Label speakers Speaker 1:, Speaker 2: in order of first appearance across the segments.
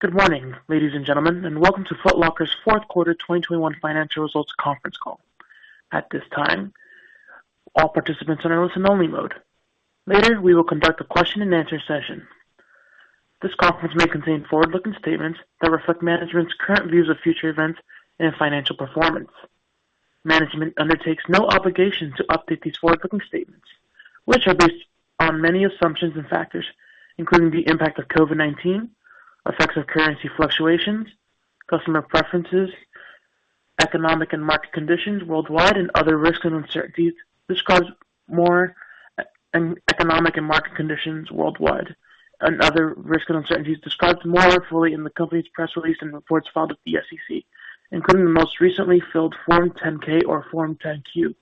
Speaker 1: Good morning, ladies and gentlemen, and welcome to Foot Locker's fourth quarter 2021 financial results conference call. At this time, all participants are in a listen-only mode. Later, we will conduct a question and answer session. This conference may contain forward-looking statements that reflect management's current views of future events and financial performance. Management undertakes no obligation to update these forward-looking statements, which are based on many assumptions and factors, including the impact of COVID-19, effects of currency fluctuations, customer preferences, economic and market conditions worldwide, and other risks and uncertainties described more fully in the company's press release and reports filed with the SEC, including the most recently filed Form 10-K or Form 10-Q.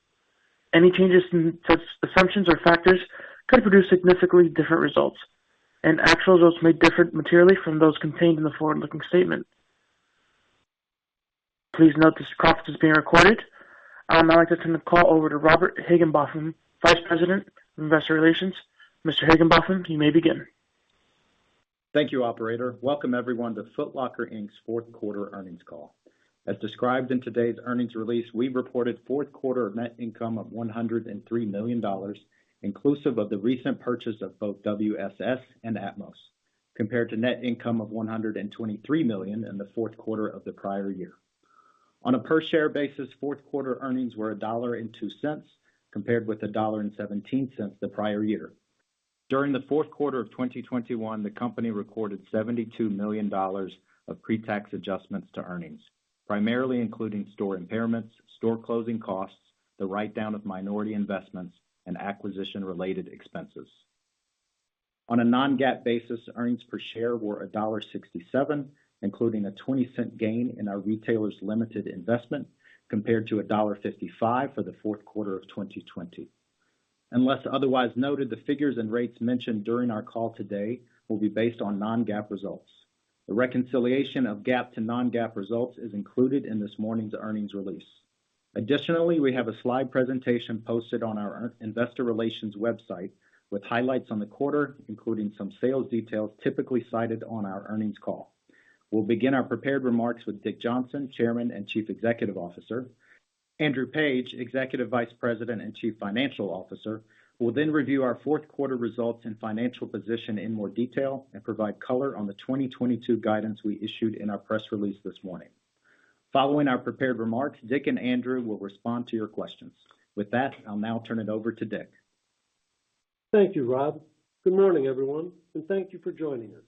Speaker 1: Any changes in such assumptions or factors could produce significantly different results, and actual results may differ materially from those contained in the forward-looking statement. Please note this conference is being recorded. I would now like to turn the call over to Robert Higginbotham, Vice President of Investor Relations. Mr. Higginbotham, you may begin.
Speaker 2: Thank you, operator. Welcome everyone to Foot Locker, Inc.'s fourth quarter earnings call. As described in today's earnings release, we reported fourth quarter net income of $103 million, inclusive of the recent purchase of both WSS and atmos, compared to net income of $123 million in the fourth quarter of the prior year. On a per share basis, fourth quarter earnings were $1.02, compared with $1.17 the prior year. During the fourth quarter of 2021, the company recorded $72 million of pre-tax adjustments to earnings, primarily including store impairments, store closing costs, the write down of minority investments and acquisition related expenses. On a non-GAAP basis, earnings per share were $1.67, including a $0.20 gain in our Retailors Ltd investment, compared to $1.55 for the fourth quarter of 2020. Unless otherwise noted, the figures and rates mentioned during our call today will be based on non-GAAP results. A reconciliation of GAAP to non-GAAP results is included in this morning's earnings release. Additionally, we have a slide presentation posted on our investor relations website with highlights on the quarter, including some sales details typically cited on our earnings call. We'll begin our prepared remarks with Dick Johnson, Chairman and Chief Executive Officer. Andrew Page, Executive Vice President and Chief Financial Officer, will then review our fourth quarter results and financial position in more detail and provide color on the 2022 guidance we issued in our press release this morning. Following our prepared remarks, Dick and Andrew will respond to your questions. With that, I'll now turn it over to Dick.
Speaker 3: Thank you, Rob. Good morning, everyone, and thank you for joining us.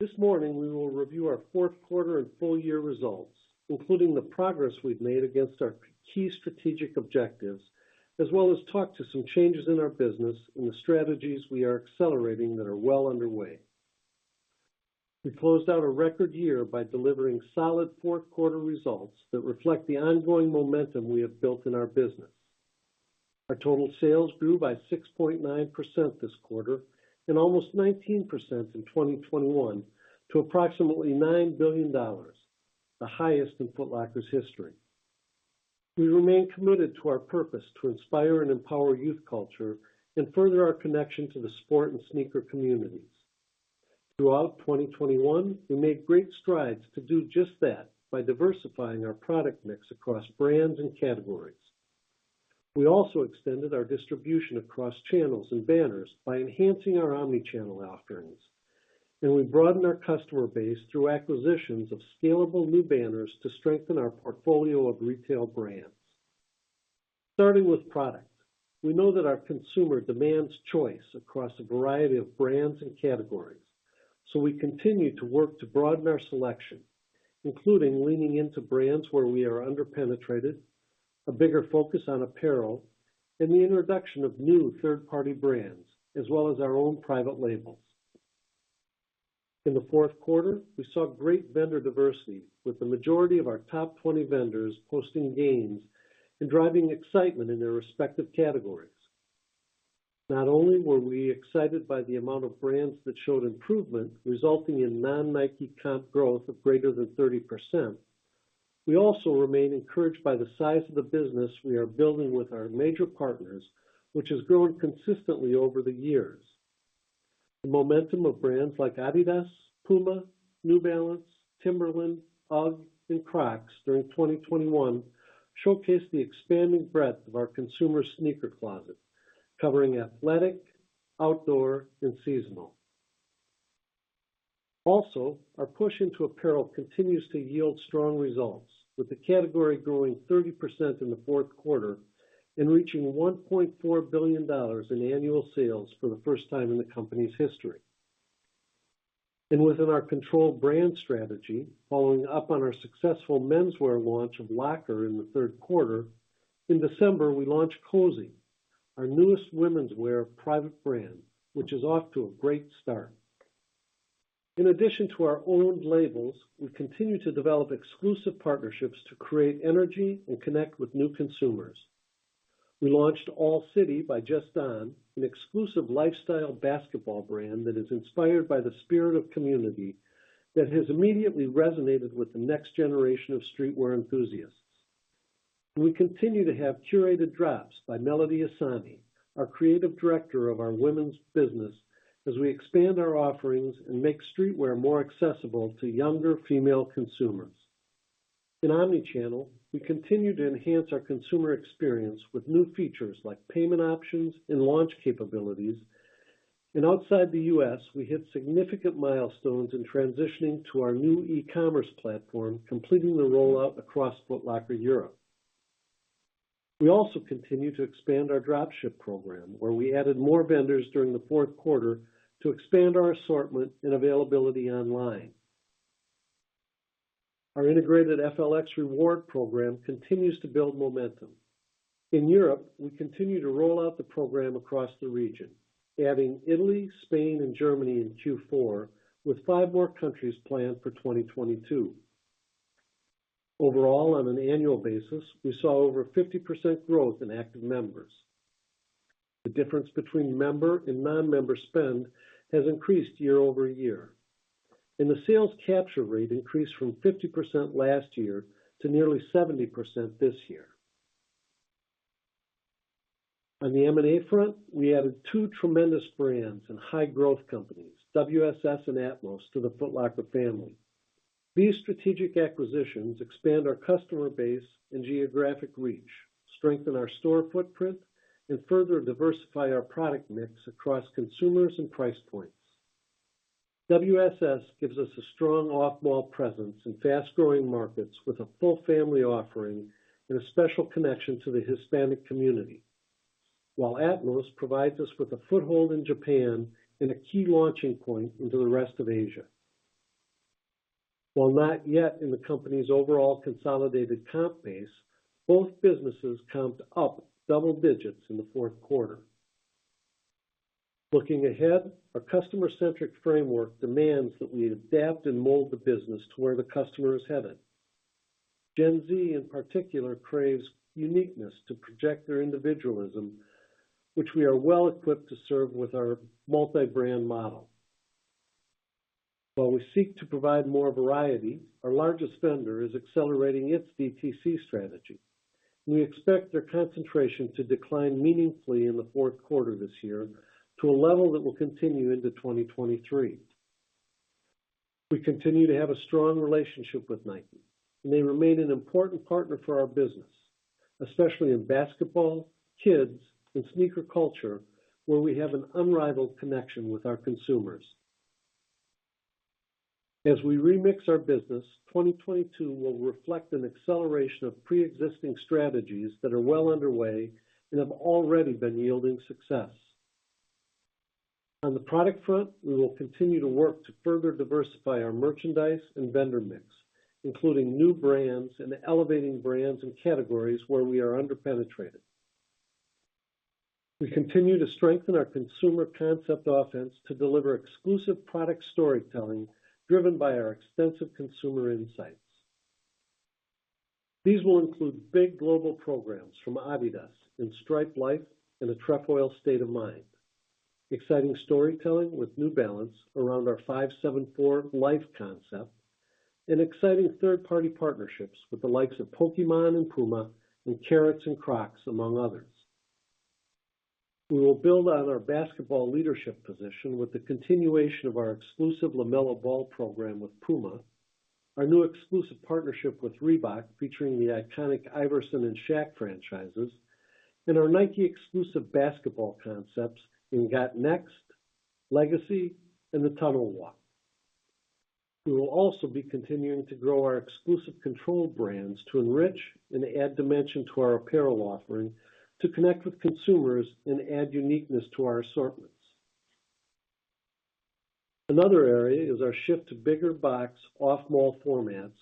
Speaker 3: This morning, we will review our fourth quarter and full year results, including the progress we've made against our key strategic objectives, as well as talk to some changes in our business and the strategies we are accelerating that are well underway. We closed out a record year by delivering solid fourth quarter results that reflect the ongoing momentum we have built in our business. Our total sales grew by 6.9% this quarter and almost 19% in 2021 to approximately $9 billion, the highest in Foot Locker's history. We remain committed to our purpose to inspire and empower youth culture and further our connection to the sport and sneaker communities. Throughout 2021, we made great strides to do just that by diversifying our product mix across brands and categories. We also extended our distribution across channels and banners by enhancing our omnichannel offerings. We broadened our customer base through acquisitions of scalable new banners to strengthen our portfolio of retail brands. Starting with product, we know that our consumer demands choice across a variety of brands and categories, so we continue to work to broaden our selection, including leaning into brands where we are under-penetrated, a bigger focus on apparel, and the introduction of new third-party brands, as well as our own private labels. In the fourth quarter, we saw great vendor diversity with the majority of our top 20 vendors posting gains and driving excitement in their respective categories. Not only were we excited by the amount of brands that showed improvement resulting in non-Nike comp growth of greater than 30%, we also remain encouraged by the size of the business we are building with our major partners, which has grown consistently over the years. The momentum of brands like Adidas, PUMA, New Balance, Timberland, UGG, and Crocs during 2021 showcased the expanding breadth of our consumer sneaker closet covering athletic, outdoor, and seasonal. Also, our push into apparel continues to yield strong results, with the category growing 30% in the fourth quarter and reaching $1.4 billion in annual sales for the first time in the company's history. Within our controlled brand strategy, following up on our successful menswear launch of Locker in the third quarter, in December, we launched Cozi, our newest womenswear private brand, which is off to a great start. In addition to our owned labels, we continue to develop exclusive partnerships to create energy and connect with new consumers. We launched All City by Just Don, an exclusive lifestyle basketball brand that is inspired by the spirit of community that has immediately resonated with the next generation of streetwear enthusiasts. We continue to have curated drops by Melody Ehsani, our Creative Director of our Women's Business, as we expand our offerings and make streetwear more accessible to younger female consumers. In omni-channel, we continue to enhance our consumer experience with new features like payment options and launch capabilities. Outside the U.S., we hit significant milestones in transitioning to our new e-commerce platform, completing the rollout across Foot Locker Europe. We also continue to expand our drop ship program, where we added more vendors during the fourth quarter to expand our assortment and availability online. Our integrated FLX reward program continues to build momentum. In Europe, we continue to roll out the program across the region, adding Italy, Spain, and Germany in Q4, with five more countries planned for 2022. Overall, on an annual basis, we saw over 50% growth in active members. The difference between member and non-member spend has increased year over year, and the sales capture rate increased from 50% last year to nearly 70% this year. On the M&A front, we added two tremendous brands and high growth companies, WSS and atmos, to the Foot Locker family. These strategic acquisitions expand our customer base and geographic reach, strengthen our store footprint, and further diversify our product mix across consumers and price points. WSS gives us a strong off-mall presence in fast-growing markets with a full family offering and a special connection to the Hispanic community. While atmos provides us with a foothold in Japan and a key launching point into the rest of Asia. While not yet in the company's overall consolidated comp base, both businesses comped up double digits in the fourth quarter. Looking ahead, our customer-centric framework demands that we adapt and mold the business to where the customer is headed. Gen Z in particular craves uniqueness to project their individualism, which we are well equipped to serve with our multi-brand model. While we seek to provide more variety, our largest vendor is accelerating its DTC strategy. We expect their concentration to decline meaningfully in the fourth quarter this year to a level that will continue into 2023. We continue to have a strong relationship with Nike, and they remain an important partner for our business, especially in basketball, kids, and sneaker culture, where we have an unrivaled connection with our consumers. As we remix our business, 2022 will reflect an acceleration of pre-existing strategies that are well underway and have already been yielding success. On the product front, we will continue to work to further diversify our merchandise and vendor mix, including new brands and elevating brands and categories where we are under-penetrated. We continue to strengthen our consumer concept offense to deliver exclusive product storytelling driven by our extensive consumer insights. These will include big global programs from Adidas 3 Stripe Life and the Trefoil State of Mind, exciting storytelling with New Balance around our 574 Life concept, and exciting third-party partnerships with the likes of Pokémon and PUMA and Carrots and Crocs, among others. We will build on our basketball leadership position with the continuation of our exclusive LaMelo Ball program with PUMA, our new exclusive partnership with Reebok featuring the iconic Iverson and Shaq franchises, and our Nike exclusive basketball concepts in Got Next, Legacy, and the Tunnel Walk. We will also be continuing to grow our exclusive control brands to enrich and add dimension to our apparel offering to connect with consumers and add uniqueness to our assortments. Another area is our shift to bigger box off-mall formats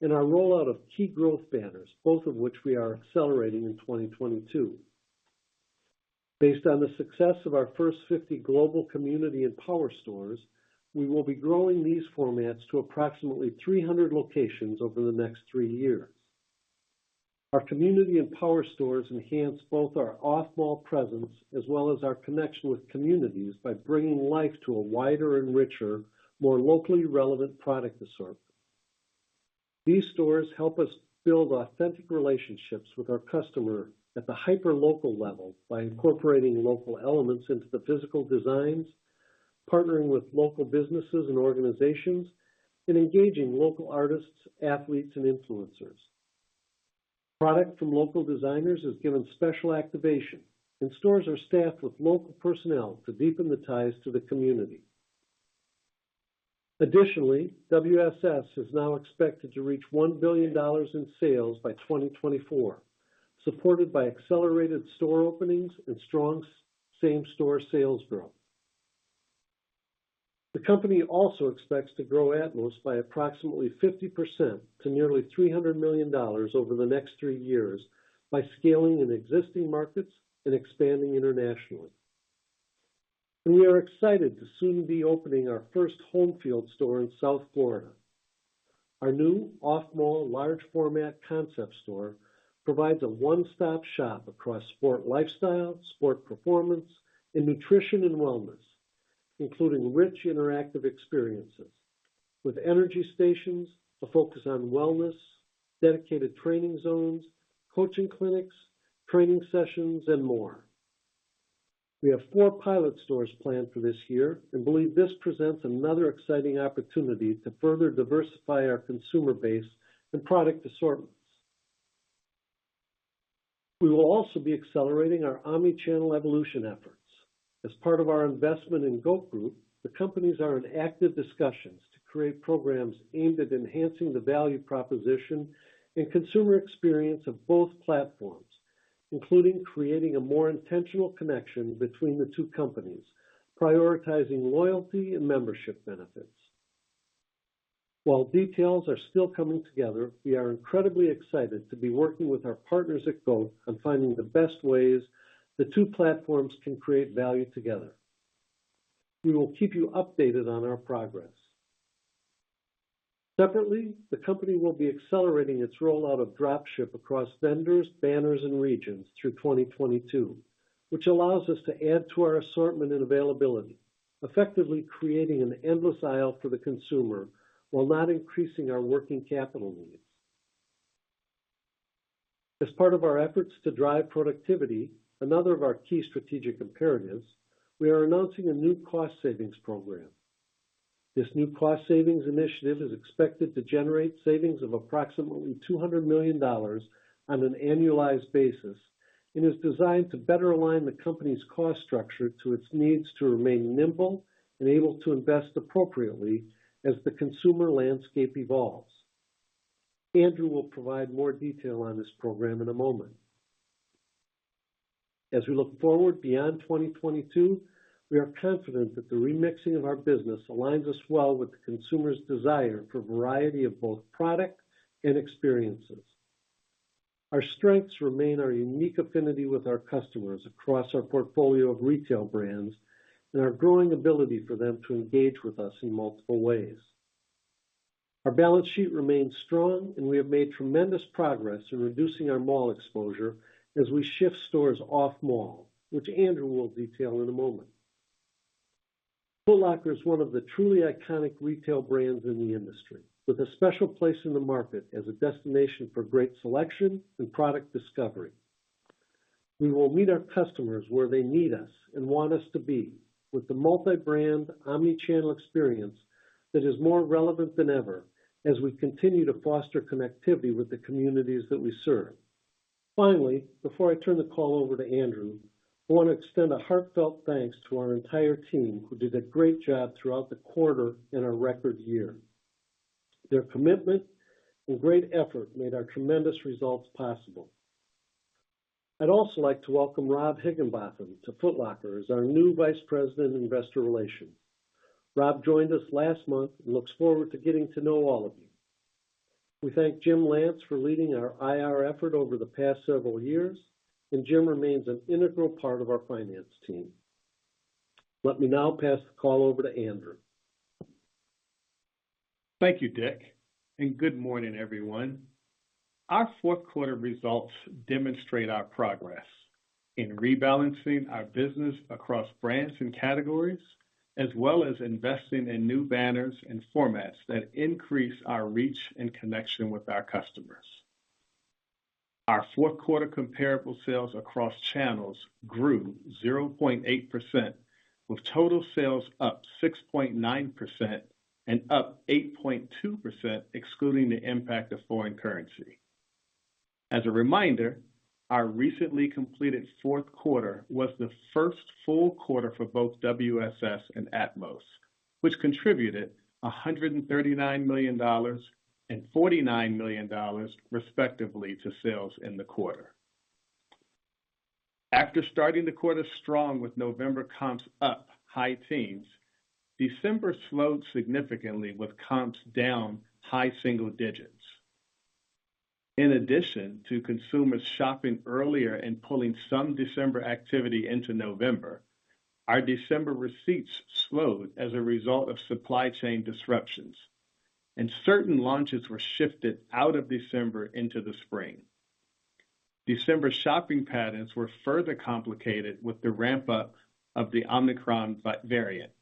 Speaker 3: and our rollout of key growth banners, both of which we are accelerating in 2022. Based on the success of our first 50 global community and power stores, we will be growing these formats to approximately 300 locations over the next three years. Our community and power stores enhance both our off-mall presence as well as our connection with communities by bringing life to a wider and richer, more locally relevant product assortment. These stores help us build authentic relationships with our customer at the hyperlocal level by incorporating local elements into the physical designs, partnering with local businesses and organizations, and engaging local artists, athletes, and influencers. Product from local designers is given special activation, and stores are staffed with local personnel to deepen the ties to the community. Additionally, WSS is now expected to reach $1 billion in sales by 2024, supported by accelerated store openings and strong same-store sales growth. The company also expects to grow atmos by approximately 50% to nearly $300 million over the next three years by scaling in existing markets and expanding internationally. We are excited to soon be opening our first home field store in South Florida. Our new off-mall large format concept store provides a one-stop shop across sport lifestyle, sport performance, and nutrition and wellness, including rich interactive experiences with energy stations, a focus on wellness, dedicated training zones, coaching clinics, training sessions, and more. We have four pilot stores planned for this year and believe this presents another exciting opportunity to further diversify our consumer base and product assortments. We will also be accelerating our omni-channel evolution efforts. As part of our investment in GOAT Group, the companies are in active discussions to create programs aimed at enhancing the value proposition and consumer experience of both platforms, including creating a more intentional connection between the two companies, prioritizing loyalty and membership benefits. While details are still coming together, we are incredibly excited to be working with our partners at GOAT on finding the best ways the two platforms can create value together. We will keep you updated on our progress. Separately, the company will be accelerating its rollout of drop ship across vendors, banners and regions through 2022, which allows us to add to our assortment and availability, effectively creating an endless aisle for the consumer while not increasing our working capital needs. As part of our efforts to drive productivity, another of our key strategic imperatives, we are announcing a new cost savings program. This new cost savings initiative is expected to generate savings of approximately $200 million on an annualized basis, is designed to better align the company's cost structure to its needs to remain nimble and able to invest appropriately as the consumer landscape evolves. Andrew will provide more detail on this program in a moment. As we look forward beyond 2022, we are confident that the remixing of our business aligns us well with the consumer's desire for a variety of both product and experiences. Our strengths remain our unique affinity with our customers across our portfolio of retail brands and our growing ability for them to engage with us in multiple ways. Our balance sheet remains strong, and we have made tremendous progress in reducing our mall exposure as we shift stores off mall, which Andrew will detail in a moment. Foot Locker is one of the truly iconic retail brands in the industry, with a special place in the market as a destination for great selection and product discovery. We will meet our customers where they need us and want us to be with the multi-brand omni-channel experience that is more relevant than ever as we continue to foster connectivity with the communities that we serve. Finally, before I turn the call over to Andrew, I want to extend a heartfelt thanks to our entire team who did a great job throughout the quarter in a record year. Their commitment and great effort made our tremendous results possible. I'd also like to welcome Rob Higginbotham to Foot Locker as our new vice president of investor relations. Rob joined us last month and looks forward to getting to know all of you. We thank Jim Lance for leading our IR effort over the past several years, and Jim remains an integral part of our finance team. Let me now pass the call over to Andrew.
Speaker 4: Thank you, Dick, and good morning, everyone. Our fourth quarter results demonstrate our progress in rebalancing our business across brands and categories, as well as investing in new banners and formats that increase our reach and connection with our customers. Our fourth quarter comparable sales across channels grew 0.8%, with total sales up 6.9% and up 8.2% excluding the impact of foreign currency. As a reminder, our recently completed fourth quarter was the first full quarter for both WSS and atmos, which contributed $139 million and $49 million respectively to sales in the quarter. After starting the quarter strong with November comps up high teens, December slowed significantly with comps down high single digits. In addition to consumers shopping earlier and pulling some December activity into November, our December receipts slowed as a result of supply chain disruptions and certain launches were shifted out of December into the spring. December shopping patterns were further complicated with the ramp up of the Omicron variant.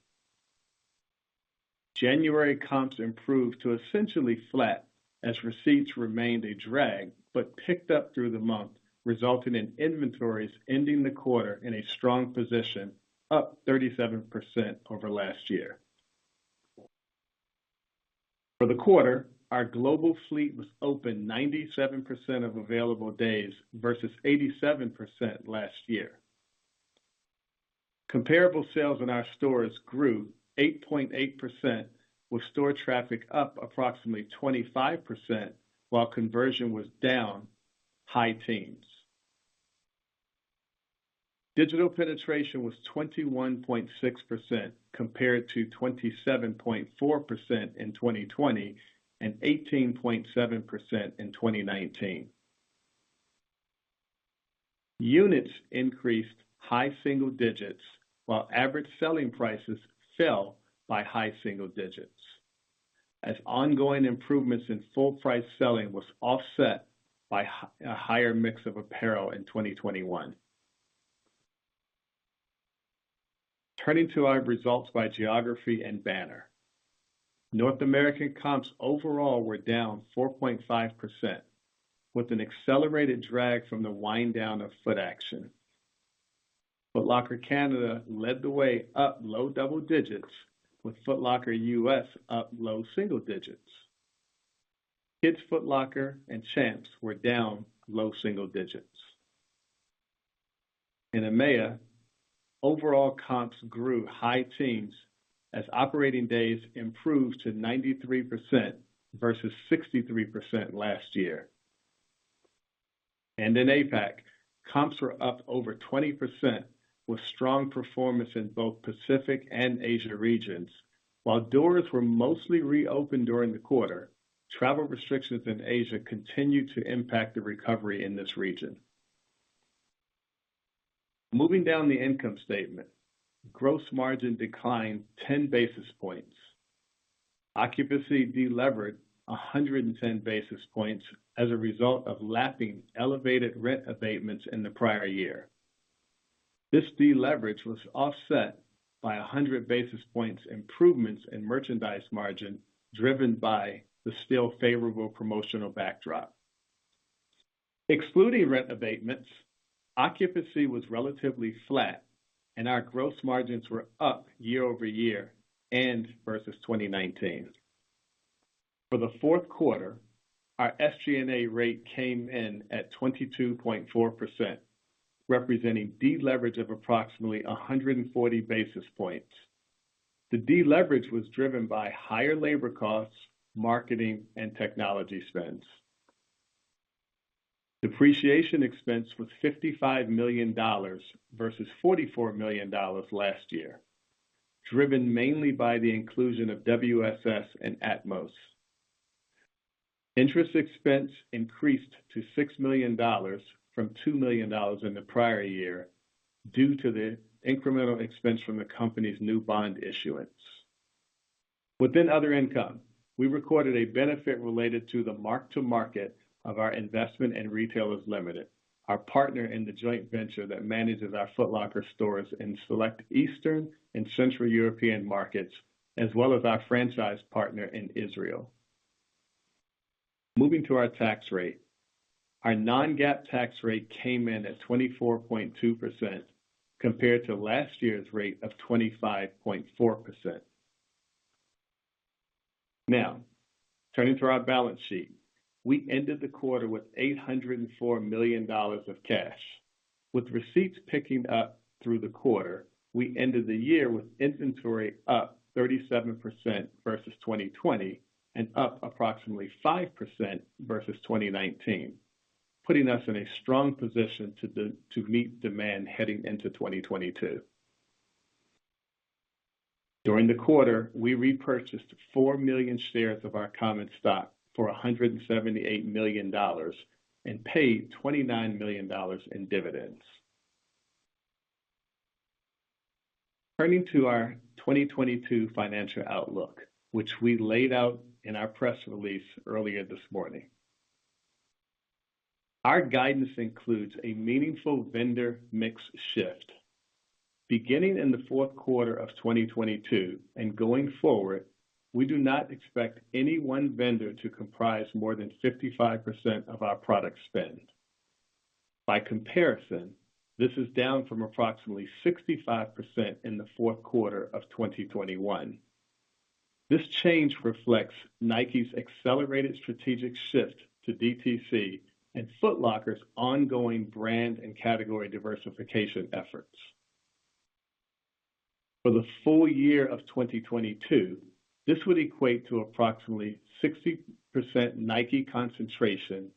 Speaker 4: January comps improved to essentially flat as receipts remained a drag but picked up through the month, resulting in inventories ending the quarter in a strong position, up 37% over last year. For the quarter, our global fleet was open 97% of available days versus 87% last year. Comparable sales in our stores grew 8.8% with store traffic up approximately 25% while conversion was down high teens. Digital penetration was 21.6% compared to 27.4% in 2020 and 18.7% in 2019. Units increased high single digits while average selling prices fell by high single digits. Ongoing improvements in full price selling was offset by a higher mix of apparel in 2021. Turning to our results by geography and banner. North American comps overall were down 4.5% with an accelerated drag from the wind down of Footaction. Foot Locker Canada led the way up low double digits with Foot Locker US up low single digits. Kids Foot Locker and Champs were down low single digits. In EMEA, overall comps grew high teens as operating days improved to 93% versus 63% last year. In APAC, comps were up over 20% with strong performance in both Pacific and Asia regions. While doors were mostly reopened during the quarter, travel restrictions in Asia continued to impact the recovery in this region. Moving down the income statement, gross margin declined 10 basis points. Occupancy delevered 110 basis points as a result of lapping elevated rent abatements in the prior year. This deleverage was offset by 100 basis points improvements in merchandise margin driven by the still favorable promotional backdrop. Excluding rent abatements, occupancy was relatively flat and our gross margins were up year over year and versus 2019. For the fourth quarter, our SG&A rate came in at 22.4%, representing deleverage of approximately 140 basis points. The deleverage was driven by higher labor costs, marketing and technology spends. Depreciation expense was $55 million versus $44 million last year, driven mainly by the inclusion of WSS and atmos. Interest expense increased to $6 million from $2 million in the prior year due to the incremental expense from the company's new bond issuance. Within other income, we recorded a benefit related to the mark to market of our investment in Retailors Ltd, our partner in the joint venture that manages our Foot Locker stores in select Eastern and Central European markets, as well as our franchise partner in Israel. Moving to our tax rate. Our non-GAAP tax rate came in at 24.2% compared to last year's rate of 25.4%. Now, turning to our balance sheet. We ended the quarter with $804 million of cash. With receipts picking up through the quarter, we ended the year with inventory up 37% versus 2020 and up approximately 5% versus 2019, putting us in a strong position to meet demand heading into 2022. During the quarter, we repurchased 4 million shares of our common stock for $178 million and paid $29 million in dividends. Turning to our 2022 financial outlook, which we laid out in our press release earlier this morning. Our guidance includes a meaningful vendor mix shift. Beginning in the fourth quarter of 2022 and going forward, we do not expect any one vendor to comprise more than 55% of our product spend. By comparison, this is down from approximately 65% in the fourth quarter of 2021. This change reflects Nike's accelerated strategic shift to DTC and Foot Locker's ongoing brand and category diversification efforts. For the full year of 2022, this would equate to approximately 60% Nike concentration,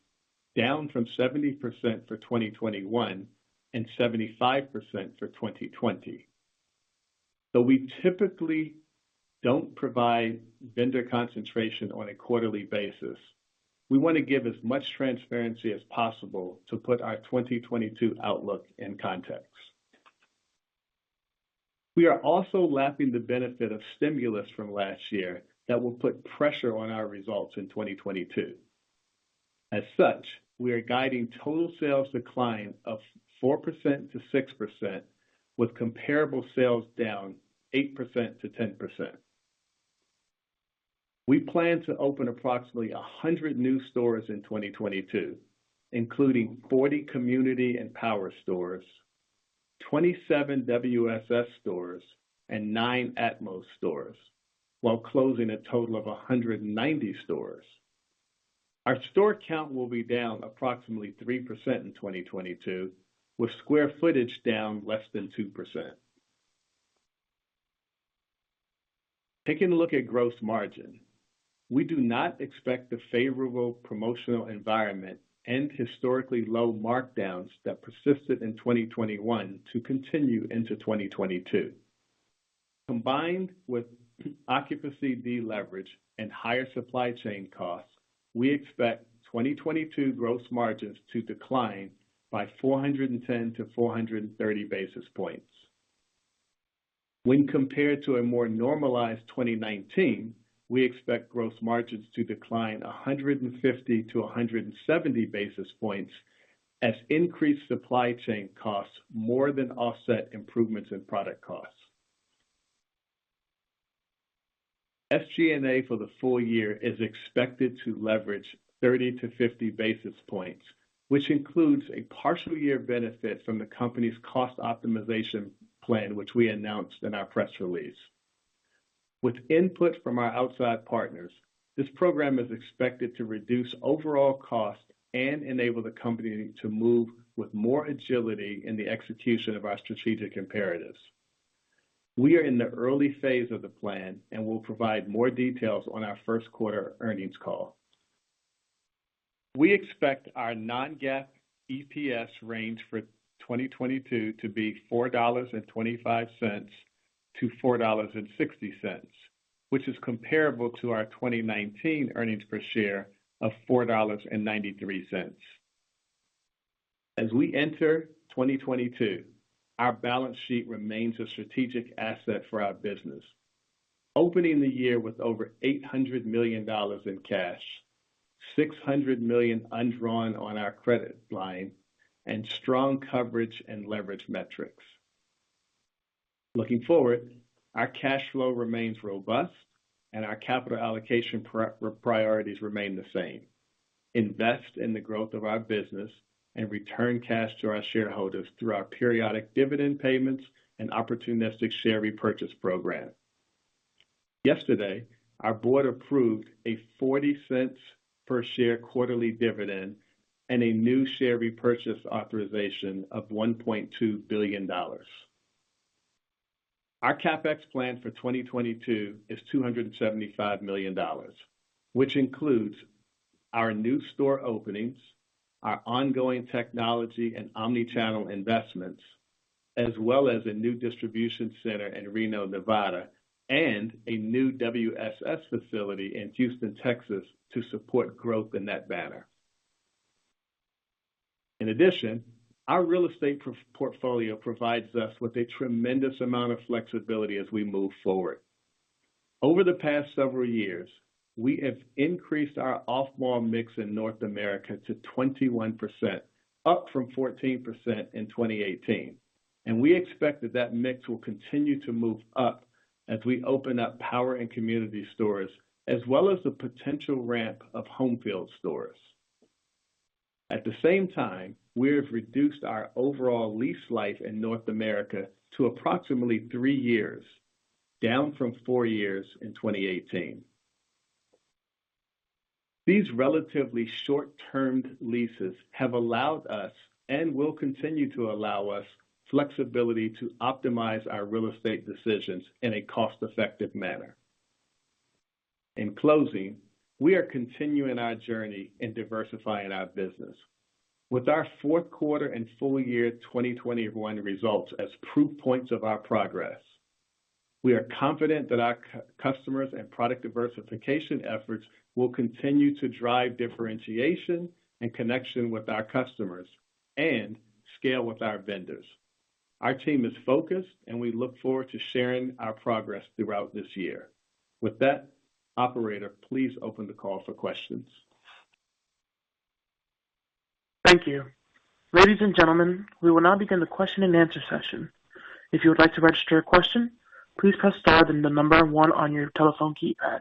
Speaker 4: down from 70% for 2021 and 75% for 2020. Though we typically don't provide vendor concentration on a quarterly basis, we wanna give as much transparency as possible to put our 2022 outlook in context. We are also lapping the benefit of stimulus from last year that will put pressure on our results in 2022. As such, we are guiding total sales decline of 4%-6% with comparable sales down 8%-10%. We plan to open approximately 100 new stores in 2022, including 40 community and power stores, 27 WSS stores, and nine atmos stores while closing a total of 190 stores. Our store count will be down approximately 3% in 2022 with square footage down less than 2%. Taking a look at gross margin. We do not expect the favorable promotional environment and historically low markdowns that persisted in 2021 to continue into 2022. Combined with occupancy deleverage and higher supply chain costs, we expect 2022 gross margins to decline by 410-430 basis points. When compared to a more normalized 2019, we expect gross margins to decline 150-170 basis points as increased supply chain costs more than offset improvements in product costs. SG&A for the full year is expected to leverage 30-50 basis points, which includes a partial year benefit from the company's cost optimization plan, which we announced in our press release. With input from our outside partners, this program is expected to reduce overall costs and enable the company to move with more agility in the execution of our strategic imperatives. We are in the early phase of the plan and will provide more details on our first quarter earnings call. We expect our non-GAAP EPS range for 2022 to be $4.25-$4.60, which is comparable to our 2019 earnings per share of $4.93. As we enter 2022, our balance sheet remains a strategic asset for our business, opening the year with over $800 million in cash, $600 million undrawn on our credit line, and strong coverage and leverage metrics. Looking forward, our cash flow remains robust and our capital allocation priorities remain the same. Invest in the growth of our business and return cash to our shareholders through our periodic dividend payments and opportunistic share repurchase program. Yesterday, our board approved a $0.40 per share quarterly dividend and a new share repurchase authorization of $1.2 billion. Our CapEx plan for 2022 is $275 million, which includes our new store openings, our ongoing technology and omni-channel investments, as well as a new distribution center in Reno, Nevada, and a new WSS facility in Houston, Texas, to support growth in that banner. In addition, our real estate portfolio provides us with a tremendous amount of flexibility as we move forward. Over the past several years, we have increased our off-mall mix in North America to 21%, up from 14% in 2018. We expect that that mix will continue to move up as we open up power and community stores, as well as the potential ramp of Homefield stores. At the same time, we have reduced our overall lease life in North America to approximately three years, down from four years in 2018. These relatively short-term leases have allowed us, and will continue to allow us, flexibility to optimize our real estate decisions in a cost-effective manner. In closing, we are continuing our journey in diversifying our business. With our fourth quarter and full year 2021 results as proof points of our progress, we are confident that our customers and product diversification efforts will continue to drive differentiation and connection with our customers and scale with our vendors. Our team is focused, and we look forward to sharing our progress throughout this year. With that, operator, please open the call for questions.
Speaker 1: Thank you. Ladies and gentlemen, we will now begin the question-and-answer session. If you would like to register your question, please press star, then the number one on your telephone keypad.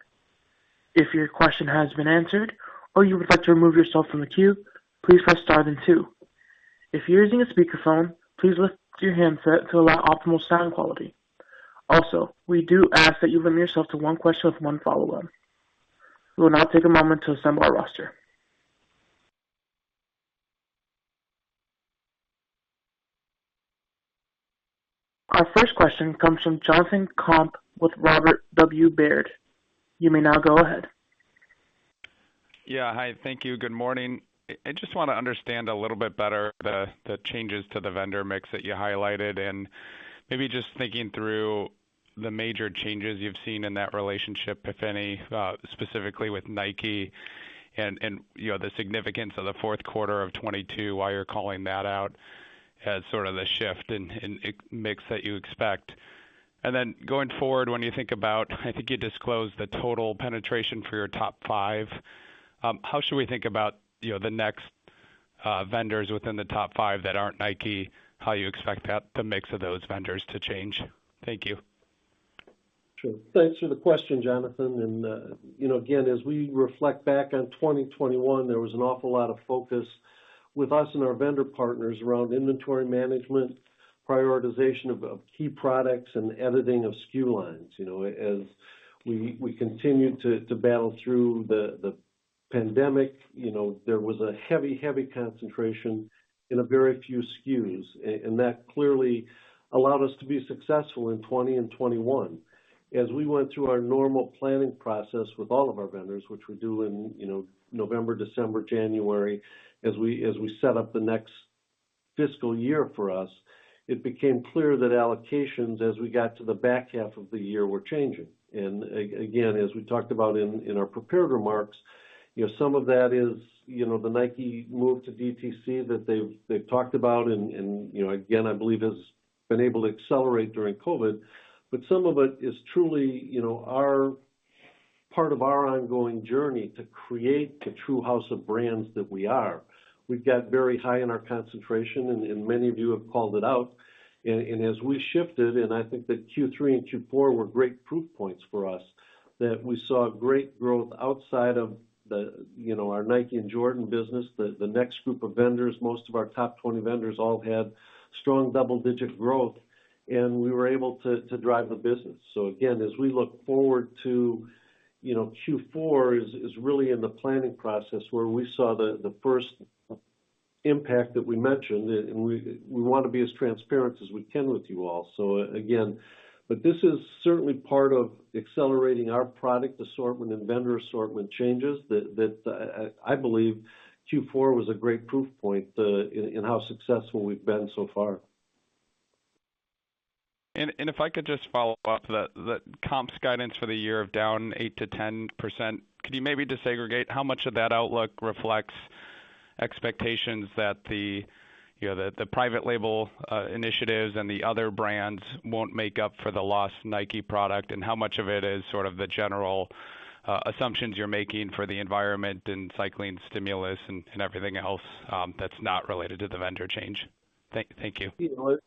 Speaker 1: If your question has been answered or you would like to remove yourself from the queue, please press star then two. If you're using a speakerphone, please lift your handset to allow optimal sound quality. Also, we do ask that you limit yourself to one question with one follow-up. We will now take a moment to assemble our roster. Our first question comes from Jonathan Komp with Robert W. Baird. You may now go ahead.
Speaker 5: Yeah. Hi. Thank you. Good morning. I just wanna understand a little bit better the changes to the vendor mix that you highlighted, and maybe just thinking through the major changes you've seen in that relationship, if any, specifically with Nike and, you know, the significance of the fourth quarter of 2022, why you're calling that out as sort of the shift in mix that you expect? Going forward, when you think about, I think you disclosed the total penetration for your top five, how should we think about, you know, the next vendors within the top five that aren't Nike, how you expect that, the mix of those vendors to change? Thank you.
Speaker 3: Sure. Thanks for the question, Jonathan. Again, as we reflect back on 2021, there was an awful lot of focus with us and our vendor partners around inventory management, prioritization of key products, and editing of SKU lines. As we continue to battle through the pandemic, there was a heavy concentration in a very few SKUs, and that clearly allowed us to be successful in 2020 and 2021. As we went through our normal planning process with all of our vendors, which we do in November, December, January, as we set up the next fiscal year for us, it became clear that allocations as we got to the back half of the year were changing. Again, as we talked about in our prepared remarks, you know, some of that is, you know, the Nike move to DTC that they've talked about and, you know, again, I believe has been able to accelerate during COVID. Some of it is truly, you know, our part of our ongoing journey to create the true house of brands that we are. We've got very high in our concentration, and many of you have called it out. As we shifted, and I think that Q3 and Q4 were great proof points for us, that we saw great growth outside of the, you know, our Nike and Jordan business. The next group of vendors, most of our top 20 vendors all had strong double-digit growth, and we were able to drive the business. Again, as we look forward to, you know, Q4 is really in the planning process where we saw the first impact that we mentioned. And we wanna be as transparent as we can with you all. Again, this is certainly part of accelerating our product assortment and vendor assortment changes that I believe Q4 was a great proof point in how successful we've been so far.
Speaker 5: If I could just follow up. The comps guidance for the year of down 8%-10%, could you maybe disaggregate how much of that outlook reflects expectations that you know the private label initiatives and the other brands won't make up for the lost Nike product? How much of it is sort of the general assumptions you're making for the environment and cycling stimulus and everything else that's not related to the vendor change? Thank you.
Speaker 3: You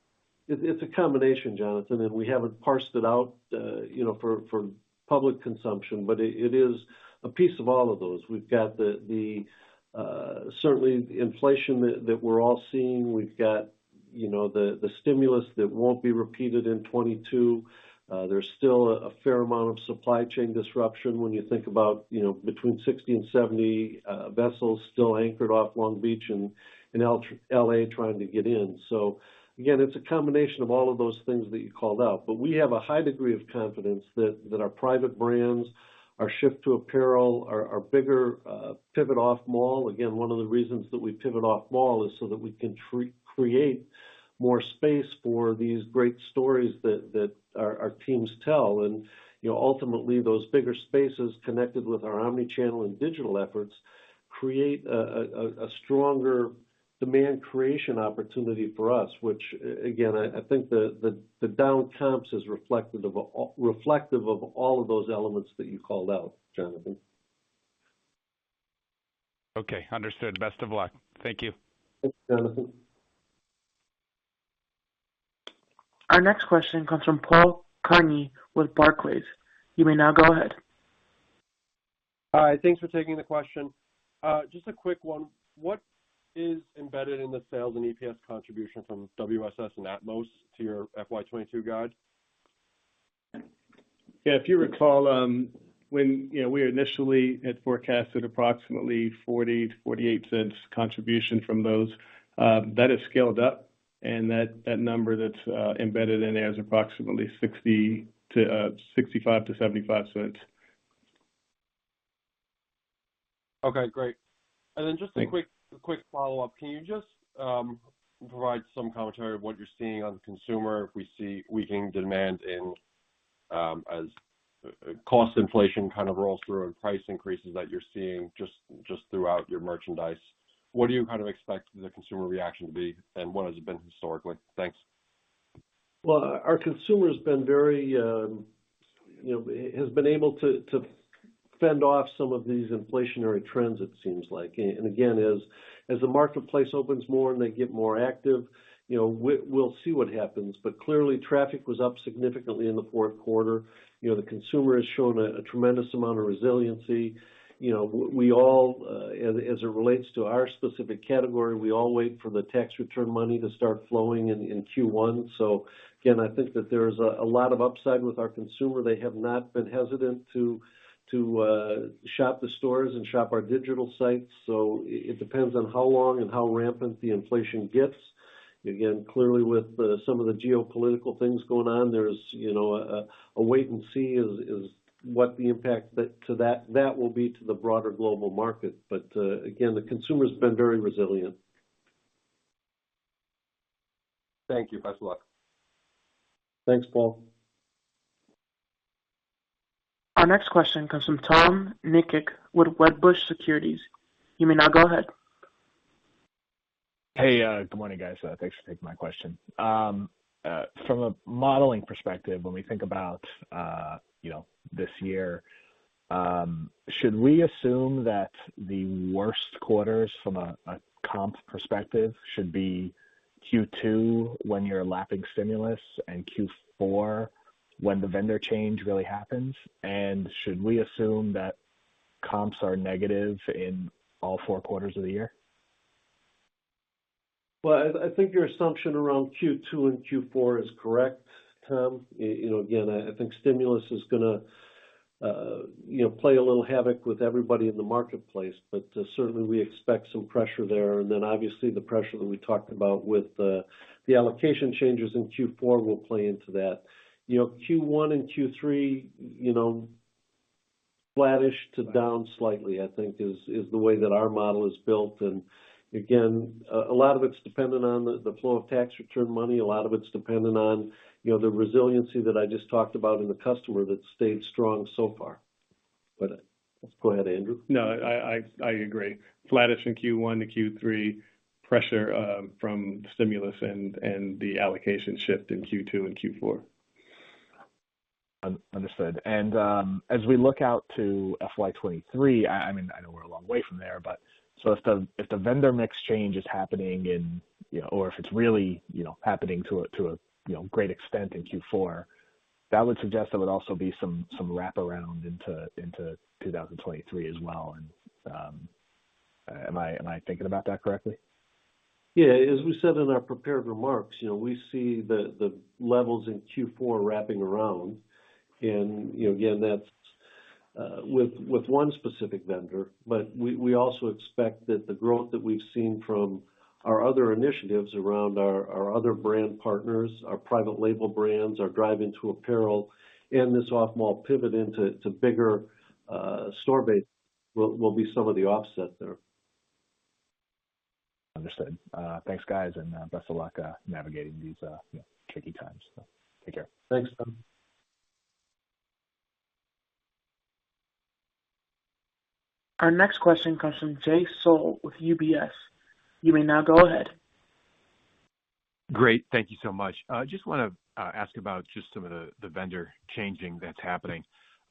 Speaker 3: know, it's a combination, Jonathan. We haven't parsed it out for public consumption, but it is a piece of all of those. We've got certainly inflation that we're all seeing. We've got the stimulus that won't be repeated in 2022. There's still a fair amount of supply chain disruption when you think about between 60 and 70 vessels still anchored off Long Beach and L.A. trying to get in. Again, it's a combination of all of those things that you called out. We have a high degree of confidence that our private brands, our shift to apparel, our bigger pivot off mall. Again, one of the reasons that we pivot off mall is so that we can re-create more space for these great stories that our teams tell. You know, ultimately, those bigger spaces connected with our omni-channel and digital efforts create a stronger demand creation opportunity for us, which again, I think the down comps is reflective of all of those elements that you called out, Jonathan.
Speaker 5: Okay. Understood. Best of luck. Thank you.
Speaker 3: Thanks, Jonathan.
Speaker 1: Our next question comes from Paul Kearney with Barclays. You may now go ahead.
Speaker 6: Hi. Thanks for taking the question. Just a quick one. What is embedded in the sales and EPS contribution from WSS and atmos to your FY 2022 guide?
Speaker 4: Yeah. If you recall, when you know, we initially had forecasted approximately $0.40-$0.48 contribution from those that has scaled up, and that number that's embedded in there is approximately $0.65-$0.75.
Speaker 6: Okay. Great.
Speaker 3: Thanks.
Speaker 6: Just a quick follow-up. Can you just provide some commentary of what you're seeing on consumer if we see weakening demand in cost inflation kind of rolls through and price increases that you're seeing just throughout your merchandise? What do you kind of expect the consumer reaction to be, and what has it been historically? Thanks.
Speaker 3: Well, our consumer's been very, you know, has been able to fend off some of these inflationary trends, it seems like. Again, as the marketplace opens more and they get more active, you know, we'll see what happens. Clearly, traffic was up significantly in the fourth quarter. You know, the consumer has shown a tremendous amount of resiliency. You know, as it relates to our specific category, we all wait for the tax return money to start flowing in Q1. Again, I think that there's a lot of upside with our consumer. They have not been hesitant to shop the stores and shop our digital sites. It depends on how long and how rampant the inflation gets. Again, clearly with some of the geopolitical things going on, there's a wait and see is what the impact that that will be to the broader global market. Again, the consumer's been very resilient.
Speaker 6: Thank you. Best of luck.
Speaker 3: Thanks, Paul.
Speaker 1: Our next question comes from Tom Nikic with Wedbush Securities. You may now go ahead.
Speaker 7: Hey, good morning, guys. Thanks for taking my question. From a modeling perspective, when we think about, you know, this year, should we assume that the worst quarters from a comp perspective should be Q2 when you're lapping stimulus and Q4 when the vendor change really happens? Should we assume that comps are negative in all four quarters of the year?
Speaker 3: Well, I think your assumption around Q2 and Q4 is correct, Tom. You know, again, I think stimulus is gonna, you know, play a little havoc with everybody in the marketplace. Certainly we expect some pressure there. Then obviously, the pressure that we talked about with the allocation changes in Q4 will play into that. You know, Q1 and Q3, you know, flattish to down slightly, I think is the way that our model is built. Again, a lot of it's dependent on the flow of tax return money. A lot of it's dependent on, you know, the resiliency that I just talked about in the customer that stayed strong so far. Go ahead, Andrew.
Speaker 4: No, I agree. Flattish in Q1 to Q3, pressure from stimulus and the allocation shift in Q2 and Q4.
Speaker 7: Understood. As we look out to FY 2023, I mean, I know we're a long way from there, but if the vendor mix change is happening or if it's really happening to a great extent in Q4, that would suggest there would also be some wraparound into 2023 as well. Am I thinking about that correctly?
Speaker 3: Yeah. As we said in our prepared remarks, you know, we see the levels in Q4 wrapping around. You know, again, that's with one specific vendor. We also expect that the growth that we've seen from our other initiatives around our other brand partners, our private label brands, our drive into apparel, and this off-mall pivot into bigger store base will be some of the offset there.
Speaker 7: Understood. Thanks, guys, and best of luck navigating these, you know, tricky times. Take care.
Speaker 3: Thanks.
Speaker 1: Our next question comes from Jay Sole with UBS. You may now go ahead.
Speaker 8: Great. Thank you so much. Just wanna ask about just some of the vendor changing that's happening.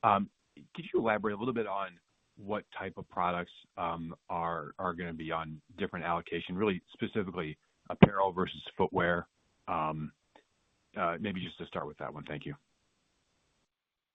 Speaker 8: Could you elaborate a little bit on what type of products are gonna be on different allocation? Really specifically apparel versus footwear. Maybe just to start with that one. Thank you.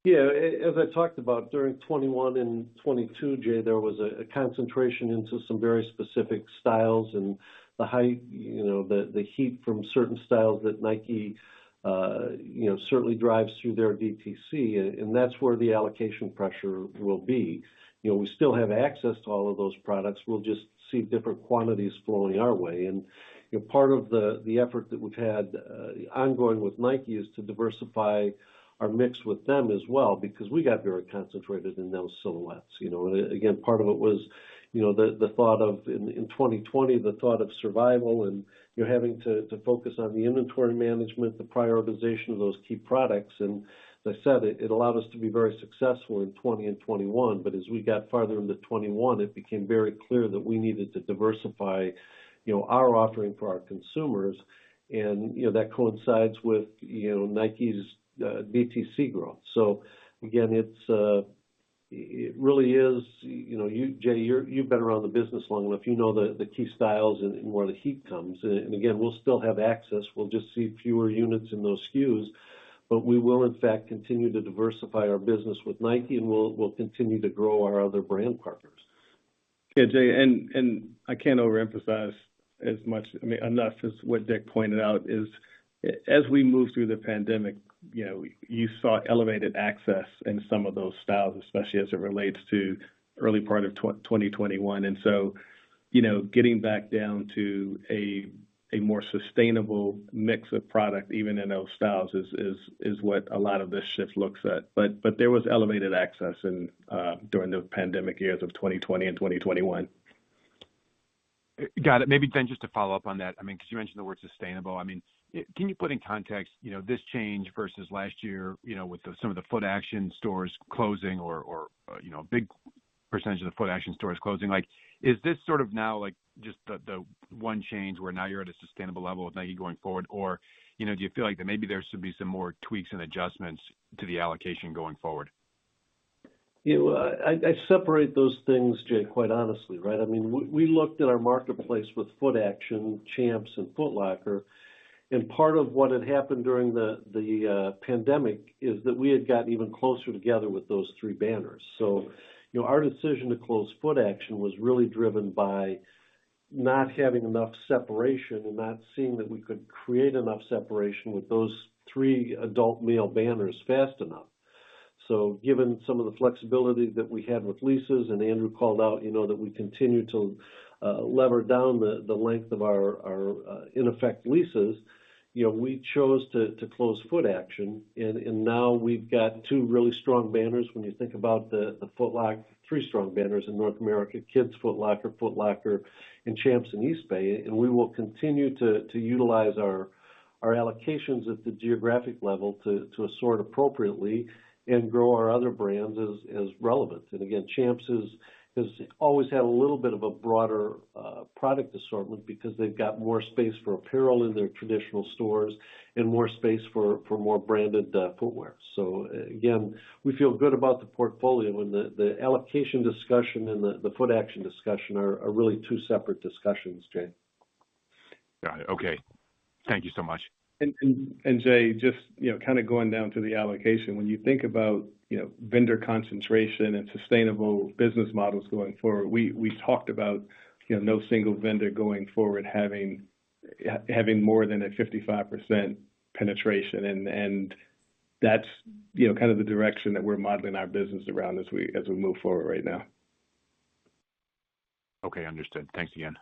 Speaker 3: Yeah. As I talked about during 2021 and 2022, Jay, there was a concentration into some very specific styles and the hype, you know, the heat from certain styles that Nike certainly drives through their DTC and that's where the allocation pressure will be. You know, we still have access to all of those products. We'll just see different quantities flowing our way. You know, part of the effort that we've had ongoing with Nike is to diversify our mix with them as well, because we got very concentrated in those silhouettes. You know, again, part of it was the thought of in 2020, the thought of survival and having to focus on the inventory management, the prioritization of those key products. As I said, it allowed us to be very successful in 2020 and 2021, but as we got farther into 2021, it became very clear that we needed to diversify, you know, our offering for our consumers. You know, that coincides with, you know, Nike's DTC growth. Again, it really is, you know, Jay, you've been around the business long enough. You know the key styles and where the heat comes. Again, we'll still have access. We'll just see fewer units in those SKUs. But we will in fact continue to diversify our business with Nike, and we'll continue to grow our other brand partners.
Speaker 4: Yeah, Jay, I can't overemphasize enough as what Dick pointed out is as we move through the pandemic. You know, you saw elevated excess in some of those styles, especially as it relates to early part of 2021. You know, getting back down to a more sustainable mix of product, even in those styles, is what a lot of this shift looks at. But there was elevated excess during the pandemic years of 2020 and 2021.
Speaker 8: Got it. Maybe just to follow up on that, I mean, 'cause you mentioned the word sustainable. I mean, can you put in context, you know, this change versus last year, you know, with some of the Footaction stores closing or, you know, a big percentage of the Footaction stores closing? Like, is this sort of now just the one change where now you're at a sustainable level with Nike going forward? Or, you know, do you feel like that maybe there should be some more tweaks and adjustments to the allocation going forward?
Speaker 3: You know, I separate those things, Jay, quite honestly, right? I mean, we looked at our marketplace with Footaction, Champs, and Foot Locker, and part of what had happened during the pandemic is that we had gotten even closer together with those three banners. You know, our decision to close Footaction was really driven by not having enough separation and not seeing that we could create enough separation with those three adult male banners fast enough. Given some of the flexibility that we had with leases, and Andrew called out, you know, that we continue to lower the length of our average leases, you know, we chose to close Footaction. Now we've got two really strong banners when you think about the Foot Lock... ...three strong banners in North America, Kids Foot Locker, Foot Locker, and Champs and Eastbay. We will continue to utilize our allocations at the geographic level to assort appropriately and grow our other brands as relevant. Again, Champs has always had a little bit of a broader product assortment because they've got more space for apparel in their traditional stores and more space for more branded footwear. Again, we feel good about the portfolio and the allocation discussion and the Footaction discussion are really two separate discussions, Jay.
Speaker 8: Got it. Okay. Thank you so much.
Speaker 4: Jay, just, you know, kind of going down to the allocation. When you think about, you know, vendor concentration and sustainable business models going forward, we talked about, you know, no single vendor going forward having more than a 55% penetration. That's, you know, kind of the direction that we're modeling our business around as we move forward right now.
Speaker 8: Okay. Understood. Thanks again.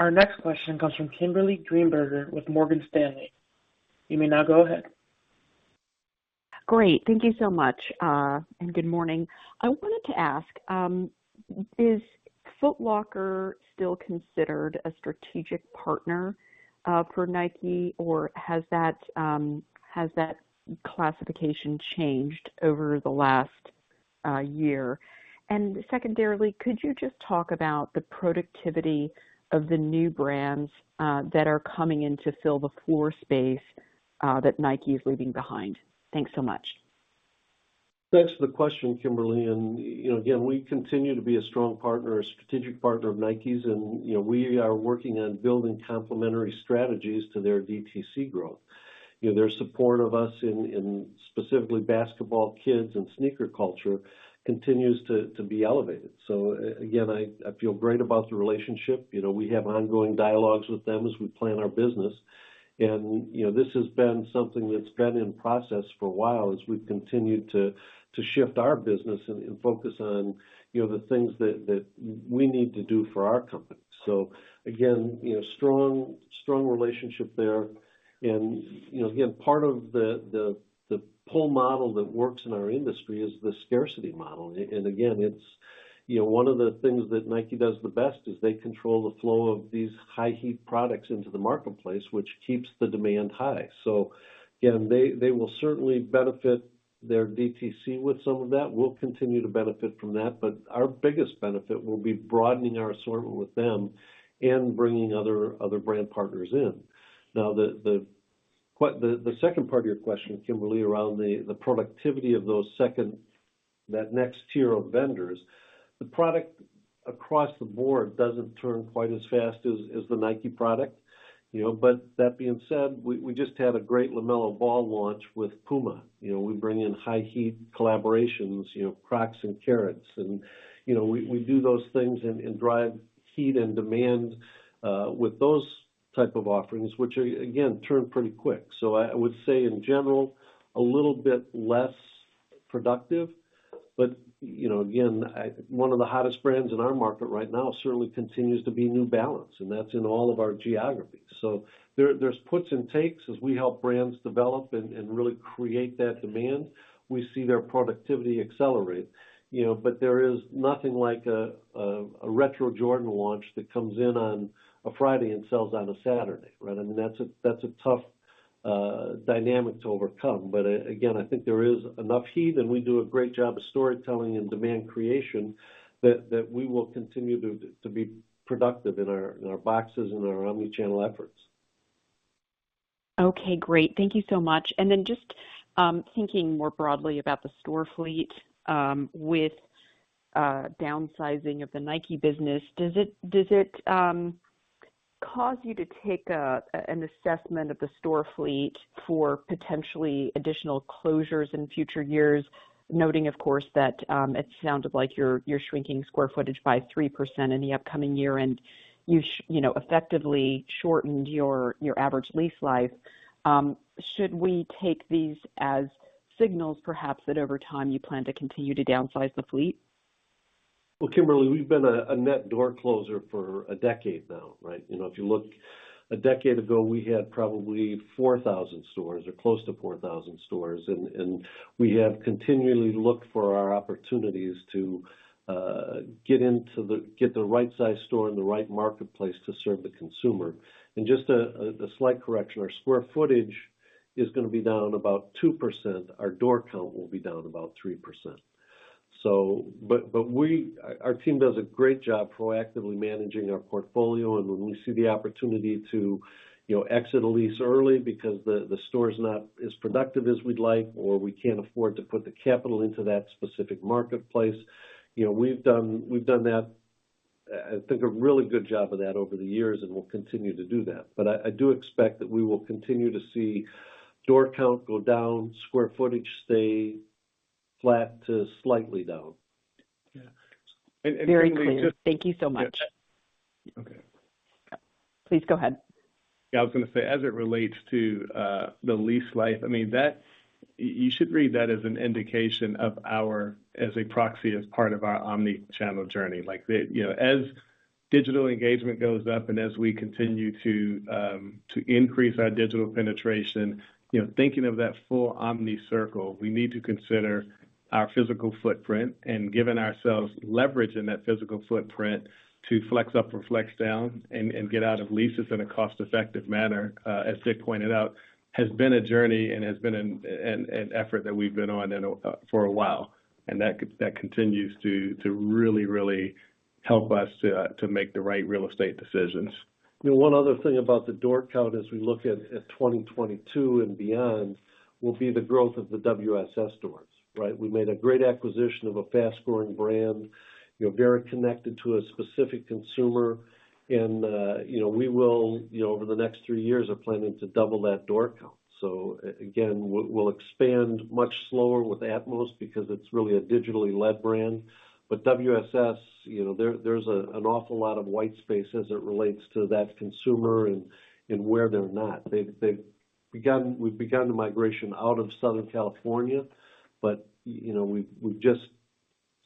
Speaker 1: Our next question comes from Kimberly Greenberger with Morgan Stanley. You may now go ahead.
Speaker 9: Great. Thank you so much. Good morning. I wanted to ask, is Foot Locker still considered a strategic partner for Nike? Or has that classification changed over the last year? Secondarily, could you just talk about the productivity of the new brands that are coming in to fill the floor space that Nike is leaving behind? Thanks so much.
Speaker 3: Thanks for the question, Kimberly. You know, again, we continue to be a strong partner, a strategic partner of Nike's. You know, we are working on building complementary strategies to their DTC growth. You know, their support of us in specifically basketball kids and sneaker culture continues to be elevated. Again, I feel great about the relationship. You know, we have ongoing dialogues with them as we plan our business. You know, this has been something that's been in process for a while as we've continued to shift our business and focus on, you know, the things that we need to do for our company. Again, you know, strong relationship there. You know, again, part of the pull model that works in our industry is the scarcity model. Again, it's... You know, one of the things that Nike does the best is they control the flow of these high heat products into the marketplace, which keeps the demand high. Again, they will certainly benefit their DTC with some of that. We'll continue to benefit from that. Our biggest benefit will be broadening our assortment with them and bringing other brand partners in. Now, the second part of your question, Kimberly, around the productivity of that next tier of vendors, the product across the board doesn't turn quite as fast as the Nike product, you know. But that being said, we just had a great LaMelo Ball launch with Puma. You know, we bring in high heat collaborations, you know, Crocs and Carrots. You know, we do those things and drive heat and demand with those type of offerings, which again, turn pretty quick. I would say in general, a little bit less productive. You know, again, one of the hottest brands in our market right now certainly continues to be New Balance, and that's in all of our geographies. There's puts and takes as we help brands develop and really create that demand, we see their productivity accelerate. You know, but there is nothing like a retro Jordan launch that comes in on a Friday and sells on a Saturday, right? I mean, that's a tough dynamic to overcome. Again, I think there is enough heat, and we do a great job of storytelling and demand creation that we will continue to be productive in our boxes and our omni-channel efforts.
Speaker 9: Okay, great. Thank you so much. Then just thinking more broadly about the store fleet, with downsizing of the Nike business, does it cause you to take an assessment of the store fleet for potentially additional closures in future years? Noting, of course, that it sounded like you're shrinking square footage by 3% in the upcoming year, and you know, effectively shortened your average lease life. Should we take these as signals, perhaps, that over time you plan to continue to downsize the fleet?
Speaker 3: Well, Kimberly, we've been a net door closer for a decade now, right? You know, if you look a decade ago, we had probably 4,000 stores or close to 4,000 stores. We have continually looked for our opportunities to get the right size store in the right marketplace to serve the consumer. Just a slight correction, our square footage is gonna be down about 2%. Our door count will be down about 3%. Our team does a great job proactively managing our portfolio. When we see the opportunity to, you know, exit a lease early because the store's not as productive as we'd like or we can't afford to put the capital into that specific marketplace, you know, we've done that, I think, a really good job of that over the years, and we'll continue to do that. I do expect that we will continue to see door count go down, square footage stay flat to slightly down.
Speaker 4: Yeah, Kimberly.
Speaker 9: Very clear. Thank you so much.
Speaker 4: Yeah. Okay.
Speaker 9: Please go ahead.
Speaker 4: Yeah, I was gonna say, as it relates to the lease life, I mean, that you should read that as an indication of our as a proxy as part of our omni-channel journey. Like, you know, as digital engagement goes up and as we continue to increase our digital penetration, you know, thinking of that full omni circle, we need to consider our physical footprint and giving ourselves leverage in that physical footprint to flex up or flex down and get out of leases in a cost-effective manner, as Dick pointed out, has been a journey and has been an effort that we've been on for a while. That continues to really help us to make the right real estate decisions.
Speaker 3: You know, one other thing about the door count as we look at 2022 and beyond will be the growth of the WSS stores, right? We made a great acquisition of a fast-growing brand, you know, very connected to a specific consumer. You know, we will, you know, over the next three years, are planning to double that door count. So again, we'll expand much slower with atmos because it's really a digitally led brand. But WSS, you know, there's an awful lot of white space as it relates to that consumer and where they're not. We've begun the migration out of Southern California, but, you know, we've just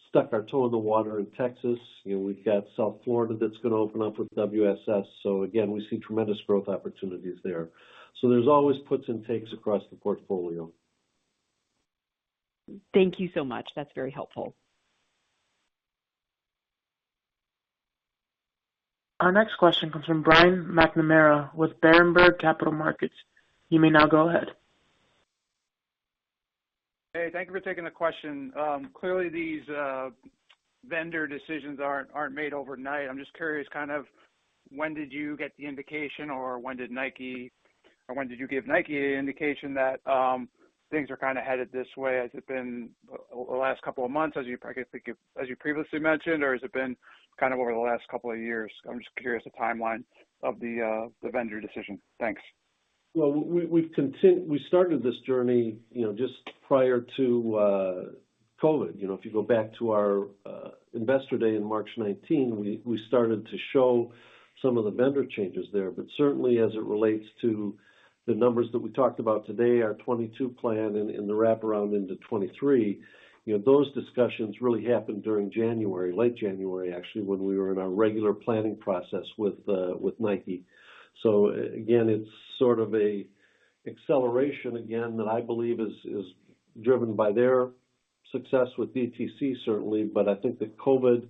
Speaker 3: stuck our toe in the water in Texas. You know, we've got South Florida that's gonna open up with WSS. So again, we see tremendous growth opportunities there. There's always puts and takes across the portfolio.
Speaker 4: Thank you so much. That's very helpful.
Speaker 1: Our next question comes from Brian McNamara with Berenberg Capital Markets. You may now go ahead.
Speaker 10: Hey, thank you for taking the question. Clearly these vendor decisions aren't made overnight. I'm just curious, kind of when did you get the indication or when did you give Nike the indication that things are kinda headed this way? Has it been over the last couple of months, as you previously mentioned? Or has it been kind of over the last couple of years? I'm just curious the timeline of the vendor decision. Thanks.
Speaker 3: We started this journey, you know, just prior to COVID. You know, if you go back to our investor day in March 2019, we started to show some of the vendor changes there. Certainly, as it relates to the numbers that we talked about today, our 2022 plan and the wraparound into 2023, you know, those discussions really happened during January, late January, actually, when we were in our regular planning process with Nike. Again, it's sort of an acceleration, again, that I believe is driven by their success with DTC, certainly. But I think that COVID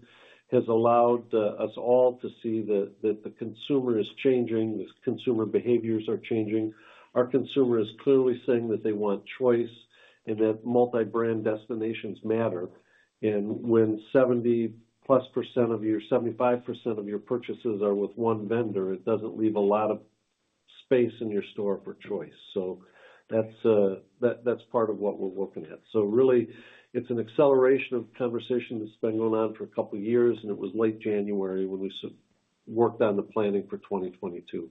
Speaker 3: has allowed us all to see that the consumer is changing, the consumer behaviors are changing. Our consumer is clearly saying that they want choice and that multi-brand destinations matter. When 70%+ of your... ...75% of your purchases are with one vendor. It doesn't leave a lot of space in your store for choice. That's part of what we're looking at. Really, it's an acceleration of conversation that's been going on for a couple years, and it was late January when we worked on the planning for 2022.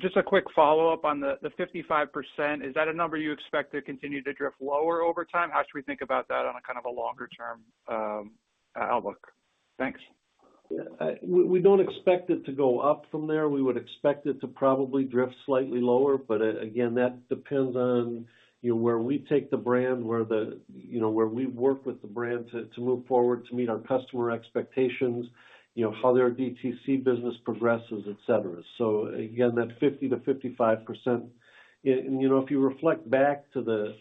Speaker 10: Just a quick follow-up on the 55%. Is that a number you expect to continue to drift lower over time? How should we think about that on a kind of a longer term outlook? Thanks.
Speaker 3: Yeah. We don't expect it to go up from there. We would expect it to probably drift slightly lower. That depends on, you know, where we take the brand, where we work with the brand to move forward to meet our customer expectations, you know, how their DTC business progresses, etc. Again, that 50%-55%. You know, if you reflect back to the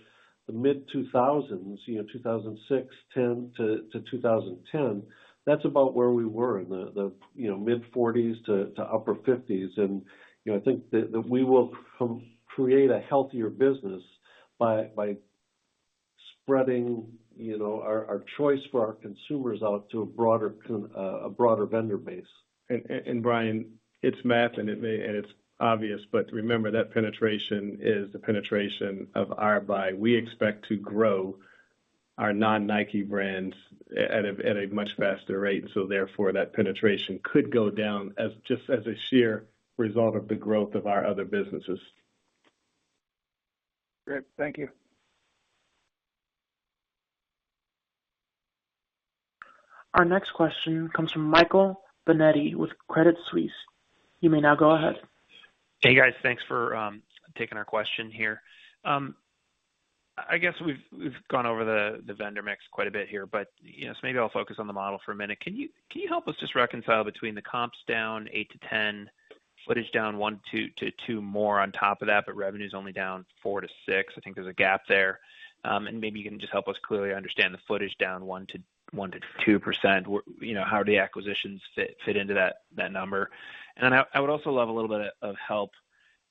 Speaker 3: mid-2000s, you know, 2006 to 2010, that's about where we were, in the mid-40s to upper 50s. You know, I think that we will create a healthier business by spreading, you know, our choice for our consumers out to a broader vendor base.
Speaker 4: Brian, it's math, and it's obvious, but remember that penetration is the penetration of our buy. We expect to grow our non-Nike brands at a much faster rate. Therefore, that penetration could go down just as a sheer result of the growth of our other businesses.
Speaker 10: Great. Thank you.
Speaker 1: Our next question comes from Michael Binetti with Credit Suisse. You may now go ahead.
Speaker 11: Hey, guys. Thanks for taking our question here. I guess we've gone over the vendor mix quite a bit here, but you know, maybe I'll focus on the model for a minute. Can you help us just reconcile between the comps down 8%-10%, footage down 1%-2% more on top of that, but revenue's only down 4%-6%? I think there's a gap there. Maybe you can just help us clearly understand the footage down 1%-2%. Where you know, how do the acquisitions fit into that number? I would also love a little bit of help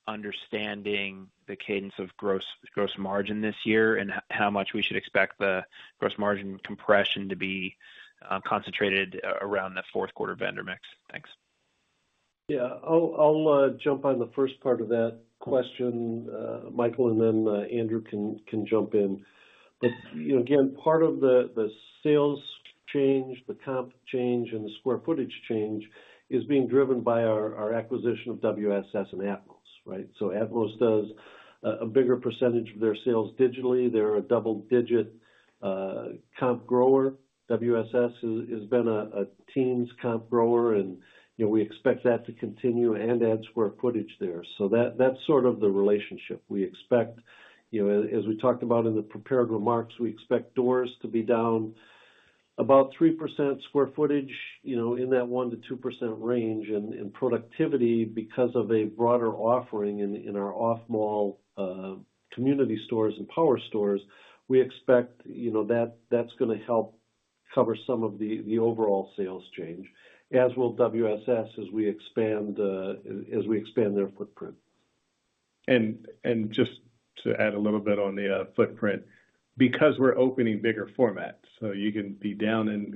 Speaker 11: understanding the cadence of gross margin this year and how much we should expect the gross margin compression to be concentrated around the fourth quarter vendor mix? Thanks.
Speaker 3: Yeah. I'll jump on the first part of that question, Michael, and then Andrew can jump in. You know, again, part of the sales change, the comp change, and the square footage change is being driven by our acquisition of WSS and atmos, right? atmos does a bigger percentage of their sales digitally. They're a double-digit comp grower. WSS has been a teens comp grower and, you know, we expect that to continue and add square footage there. That, that's sort of the relationship. We expect, you know, as we talked about in the prepared remarks, we expect doors to be down about 3% square footage in that 1%-2% range. In productivity, because of a broader offering in our off-mall community stores and power stores, we expect, you know, that that's gonna help cover some of the overall sales change, as will WSS as we expand their footprint.
Speaker 4: Just to add a little bit on the footprint, because we're opening bigger formats, so you can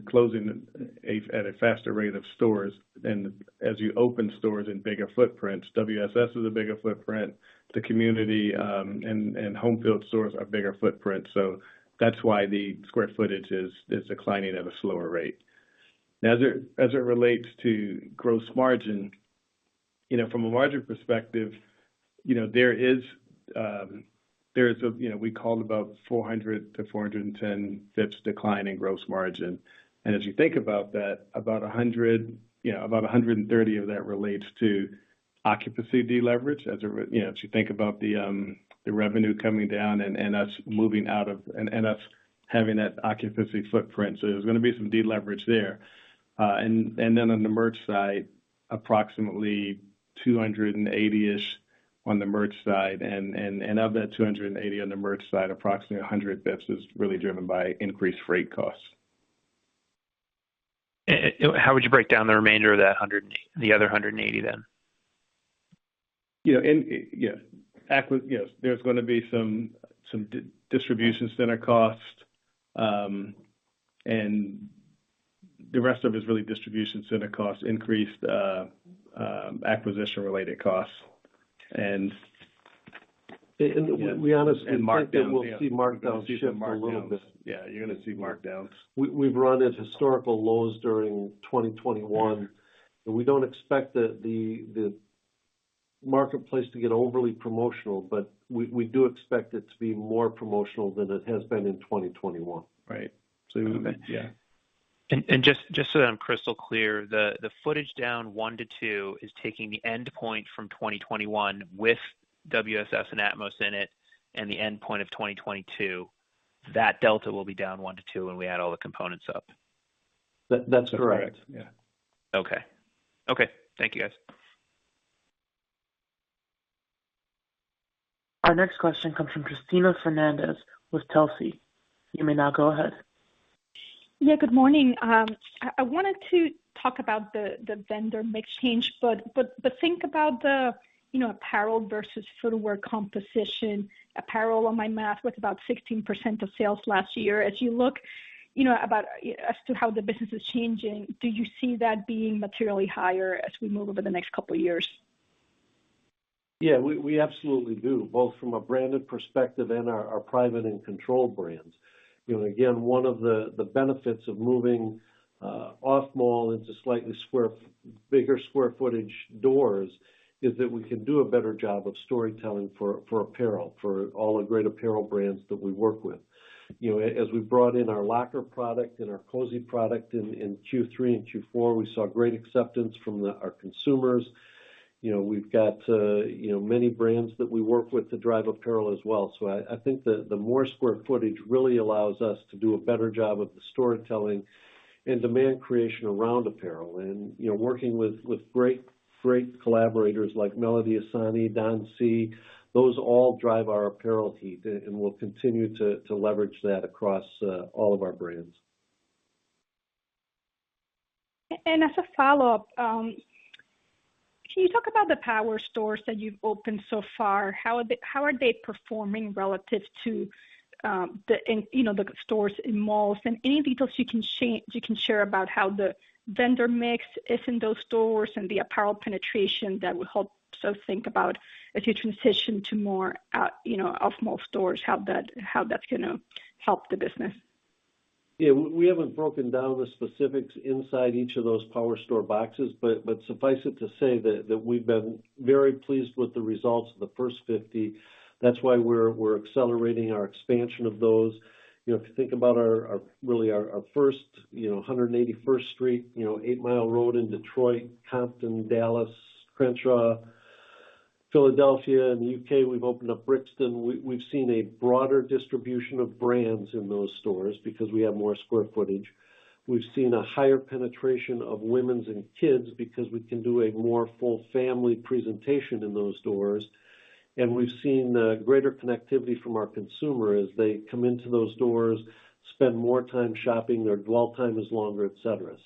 Speaker 4: close at a faster rate of stores than as you open stores in bigger footprints. WSS is a bigger footprint. The community and Homefield stores are bigger footprint. That's why the square footage is declining at a slower rate. Now, as it relates to gross margin, you know, from a larger perspective, you know, there is a, you know, we called a 400- to 410-basis-point decline in gross margin. As you think about that, about 100, you know, about 130 of that relates to occupancy deleverage as you think about the revenue coming down and us moving out of and us having that occupancy footprint. So there's gonna be some deleverage there. Then on the merch side, approximately 280-ish on the merch side. Of that 280 on the merch side, approximately 100 basis is really driven by increased freight costs.
Speaker 11: How would you break down the remainder of the other $180 then?
Speaker 4: You know, yeah. Yes, there's gonna be some distributions that are costs, and the rest of it is really distribution center costs increased, acquisition related costs.
Speaker 3: We honestly think that we'll see markdowns shift a little bit.
Speaker 4: Yeah, you're gonna see markdowns.
Speaker 3: We've run at historical lows during 2021, and we don't expect the marketplace to get overly promotional, but we do expect it to be more promotional than it has been in 2021.
Speaker 4: Right. Yeah.
Speaker 11: Just so that I'm crystal clear, the footprint down 1%-2% is taking the end point from 2021 with WSS and atmos in it, and the end point of 2022, that delta will be down 1%-2% when we add all the components up.
Speaker 3: That's correct.
Speaker 4: Yeah.
Speaker 11: Okay. Thank you, guys.
Speaker 1: Our next question comes from Cristina Fernandez with Telsey. You may now go ahead.
Speaker 12: Yeah, good morning. I wanted to talk about the vendor mix change. Think about, you know, apparel versus footwear composition. Apparel, on my math, was about 16% of sales last year. As you look, you know, as to how the business is changing, do you see that being materially higher as we move over the next couple years?
Speaker 3: Yeah, we absolutely do, both from a branded perspective and our private and control brands. You know, again, one of the benefits of moving off mall into bigger square footage doors is that we can do a better job of storytelling for apparel, for all the great apparel brands that we work with. You know, as we brought in our LCKR product and our Cozi product in Q3 and Q4, we saw great acceptance from our consumers. You know, we've got, you know, many brands that we work with to drive apparel as well. I think the more square footage really allows us to do a better job of the storytelling and demand creation around apparel and, you know, working with great collaborators like Melody Ehsani, Don C, those all drive our apparel heat, and we'll continue to leverage that across all of our brands.
Speaker 12: As a follow-up, can you talk about the power stores that you've opened so far? How are they performing relative to the stores in malls? Any details you can share about how the vendor mix is in those stores and the apparel penetration that would help, so think about as you transition to more out, you know, off mall stores, how that's gonna help the business.
Speaker 3: Yeah. We haven't broken down the specifics inside each of those power store boxes, but suffice it to say that we've been very pleased with the results of the first 50. That's why we're accelerating our expansion of those. You know, if you think about our first 181st Street, you know, Eight Mile Road in Detroit, Compton, Dallas, Crenshaw, Philadelphia. In the U.K., we've opened up Brixton. We've seen a broader distribution of brands in those stores because we have more square footage. We've seen a higher penetration of women's and kids because we can do a more full family presentation in those stores. We've seen greater connectivity from our consumer as they come into those stores, spend more time shopping, their dwell time is longer, etc.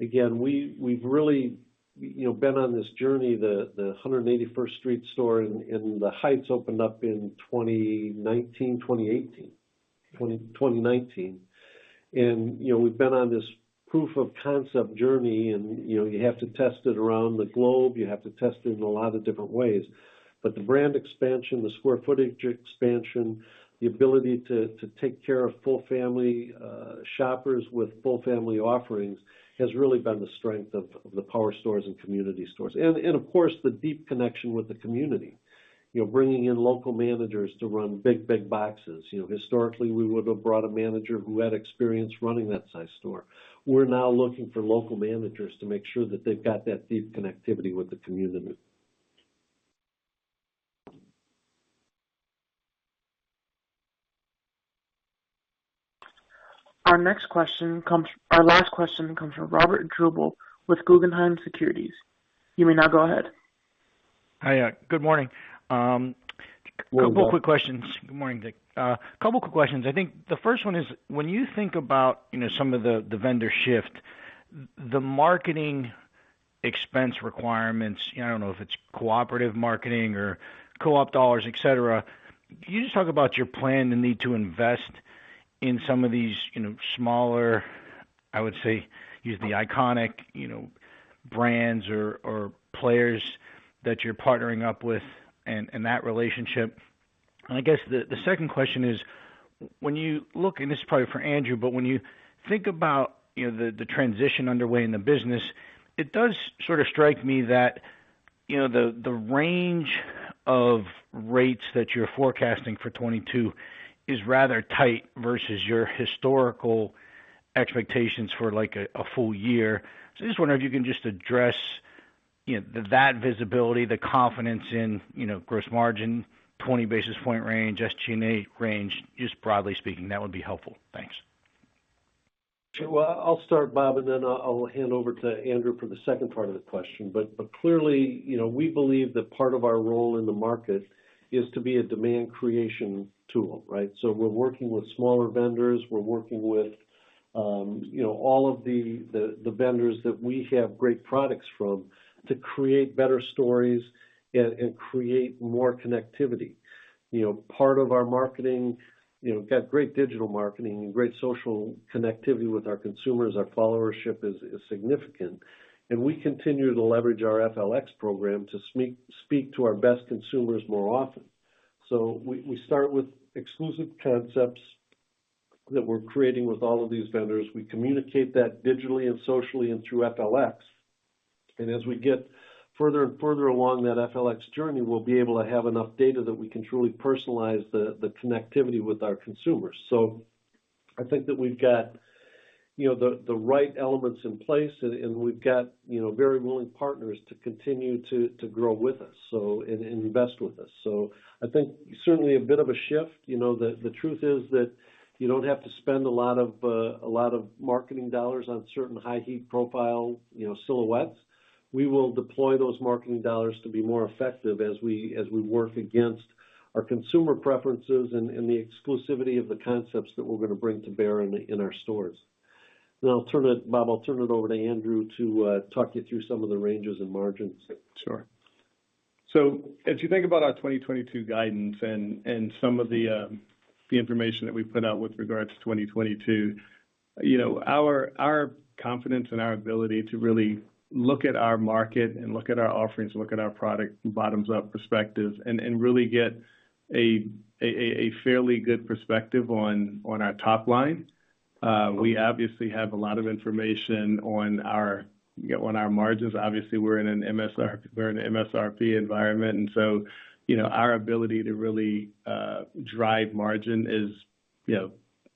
Speaker 3: Again, we've really, you know, been on this journey. The 181st Street store in the Heights opened up in 2019. You know, we've been on this proof of concept journey and, you know, you have to test it around the globe, you have to test it in a lot of different ways. The brand expansion, the square footage expansion, the ability to take care of full family shoppers with full family offerings has really been the strength of the power stores and community stores. Of course, the deep connection with the community. You know, bringing in local managers to run big boxes. You know, historically, we would have brought a manager who had experience running that size store. We're now looking for local managers to make sure that they've got that deep connectivity with the community.
Speaker 1: Our last question comes from Robert Drbul with Guggenheim Securities. You may now go ahead.
Speaker 13: Hi. Good morning.
Speaker 3: Good morning.
Speaker 13: Couple of quick questions. Good morning, Dick. I think the first one is, when you think about, you know, some of the vendor shift, the marketing expense requirements, you know, I don't know if it's cooperative marketing or co-op dollars, et cetera, can you just talk about your plan and need to invest in some of these, you know, smaller, I would say, use the iconic, you know, brands or players that you're partnering up with and that relationship. I guess the second question is, when you look and this is probably for Andrew, but when you think about, you know, the transition underway in the business, it does sort of strike me that, you know, the range of rates that you're forecasting for 2022 is rather tight versus your historical expectations for, like, a full year. I just wonder if you can just address. You know, that visibility, the confidence in, you know, gross margin, 20 basis point range, SG&A range, just broadly speaking, that would be helpful. Thanks.
Speaker 3: Sure. Well, I'll start, Bob, and then I'll hand over to Andrew for the second part of the question. Clearly, you know, we believe that part of our role in the market is to be a demand creation tool, right? We're working with smaller vendors. We're working with all of the vendors that we have great products from to create better stories and create more connectivity. Part of our marketing, we've got great digital marketing and great social connectivity with our consumers. Our followership is significant. We continue to leverage our FLX program to speak to our best consumers more often. We start with exclusive concepts that we're creating with all of these vendors. We communicate that digitally and socially and through FLX. As we get further and further along that FLX journey, we'll be able to have enough data that we can truly personalize the connectivity with our consumers. I think that we've got, you know, the right elements in place, and we've got, you know, very willing partners to continue to grow with us, and invest with us. I think certainly a bit of a shift. You know, the truth is that you don't have to spend a lot of a lot of marketing dollars on certain high heat profile, you know, silhouettes. We will deploy those marketing dollars to be more effective as we work against our consumer preferences and the exclusivity of the concepts that we're gonna bring to bear in our stores. Now I'll turn it... Bob, I'll turn it over to Andrew to talk you through some of the ranges and margins.
Speaker 4: Sure. As you think about our 2022 guidance and some of the information that we put out with regards to 2022, you know, our confidence and our ability to really look at our market and look at our offerings and look at our product bottoms-up perspective and really get a fairly good perspective on our top line. We obviously have a lot of information on our margins. Obviously, we're in an MSRP environment, and so, you know, our ability to really drive margin is, you know,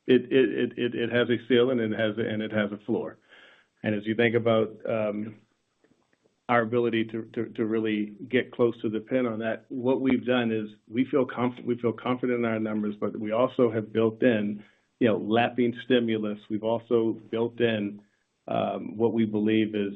Speaker 4: it has a ceiling and it has a floor. As you think about our ability to really get close to the pin on that, what we've done is we feel confident in our numbers, but we also have built in, you know, lapping stimulus. We've also built in what we believe is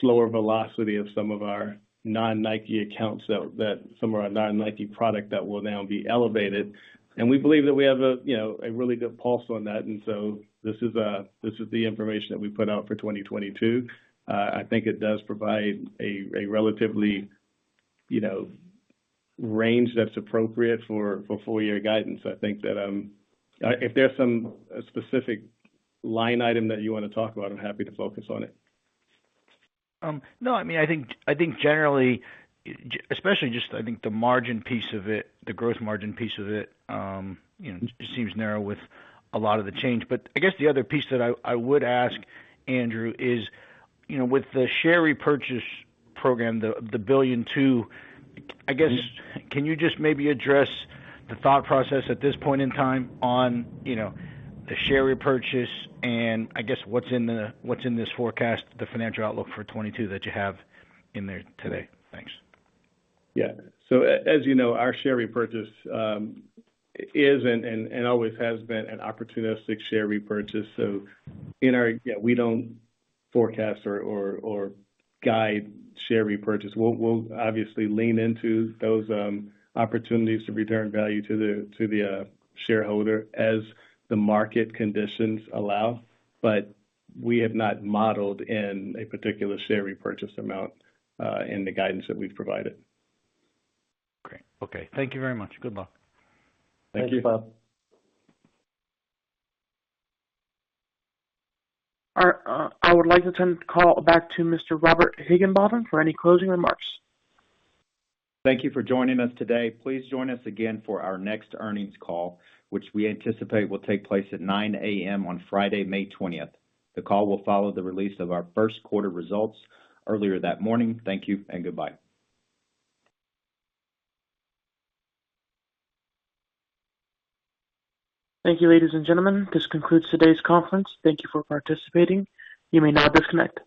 Speaker 4: slower velocity of some of our non-Nike accounts that some of our non-Nike product that will now be elevated. We believe that we have, you know, a really good pulse on that, so this is the information that we put out for 2022. I think it does provide a relatively, you know, range that's appropriate for full year guidance. I think that if there's some specific line item that you wanna talk about, I'm happy to focus on it.
Speaker 13: No. I mean, I think generally, especially just I think the margin piece of it, the growth margin piece of it, you know, just seems narrow with a lot of the change. But I guess the other piece that I would ask, Andrew, is, you know, with the share repurchase program, the $1.2 billion, I guess, can you just maybe address the thought process at this point in time on, you know, the share repurchase and I guess what's in this forecast, the financial outlook for 2022 that you have in there today? Thanks.
Speaker 4: Yeah. As you know, our share repurchase is and always has been an opportunistic share repurchase. Yeah, we don't forecast or guide share repurchase. We'll obviously lean into those opportunities to return value to the shareholder as the market conditions allow. We have not modeled in a particular share repurchase amount in the guidance that we've provided.
Speaker 13: Great. Okay. Thank you very much. Good luck.
Speaker 4: Thank you.
Speaker 3: Thanks, Bob.
Speaker 1: I would like to turn the call back to Mr. Robert Higginbotham for any closing remarks.
Speaker 2: Thank you for joining us today. Please join us again for our next earnings call, which we anticipate will take place at 9:00 A.M. on Friday, May 20. The call will follow the release of our first quarter results earlier that morning. Thank you and goodbye.
Speaker 1: Thank you, ladies and gentlemen. This concludes today's conference. Thank you for participating. You may now disconnect.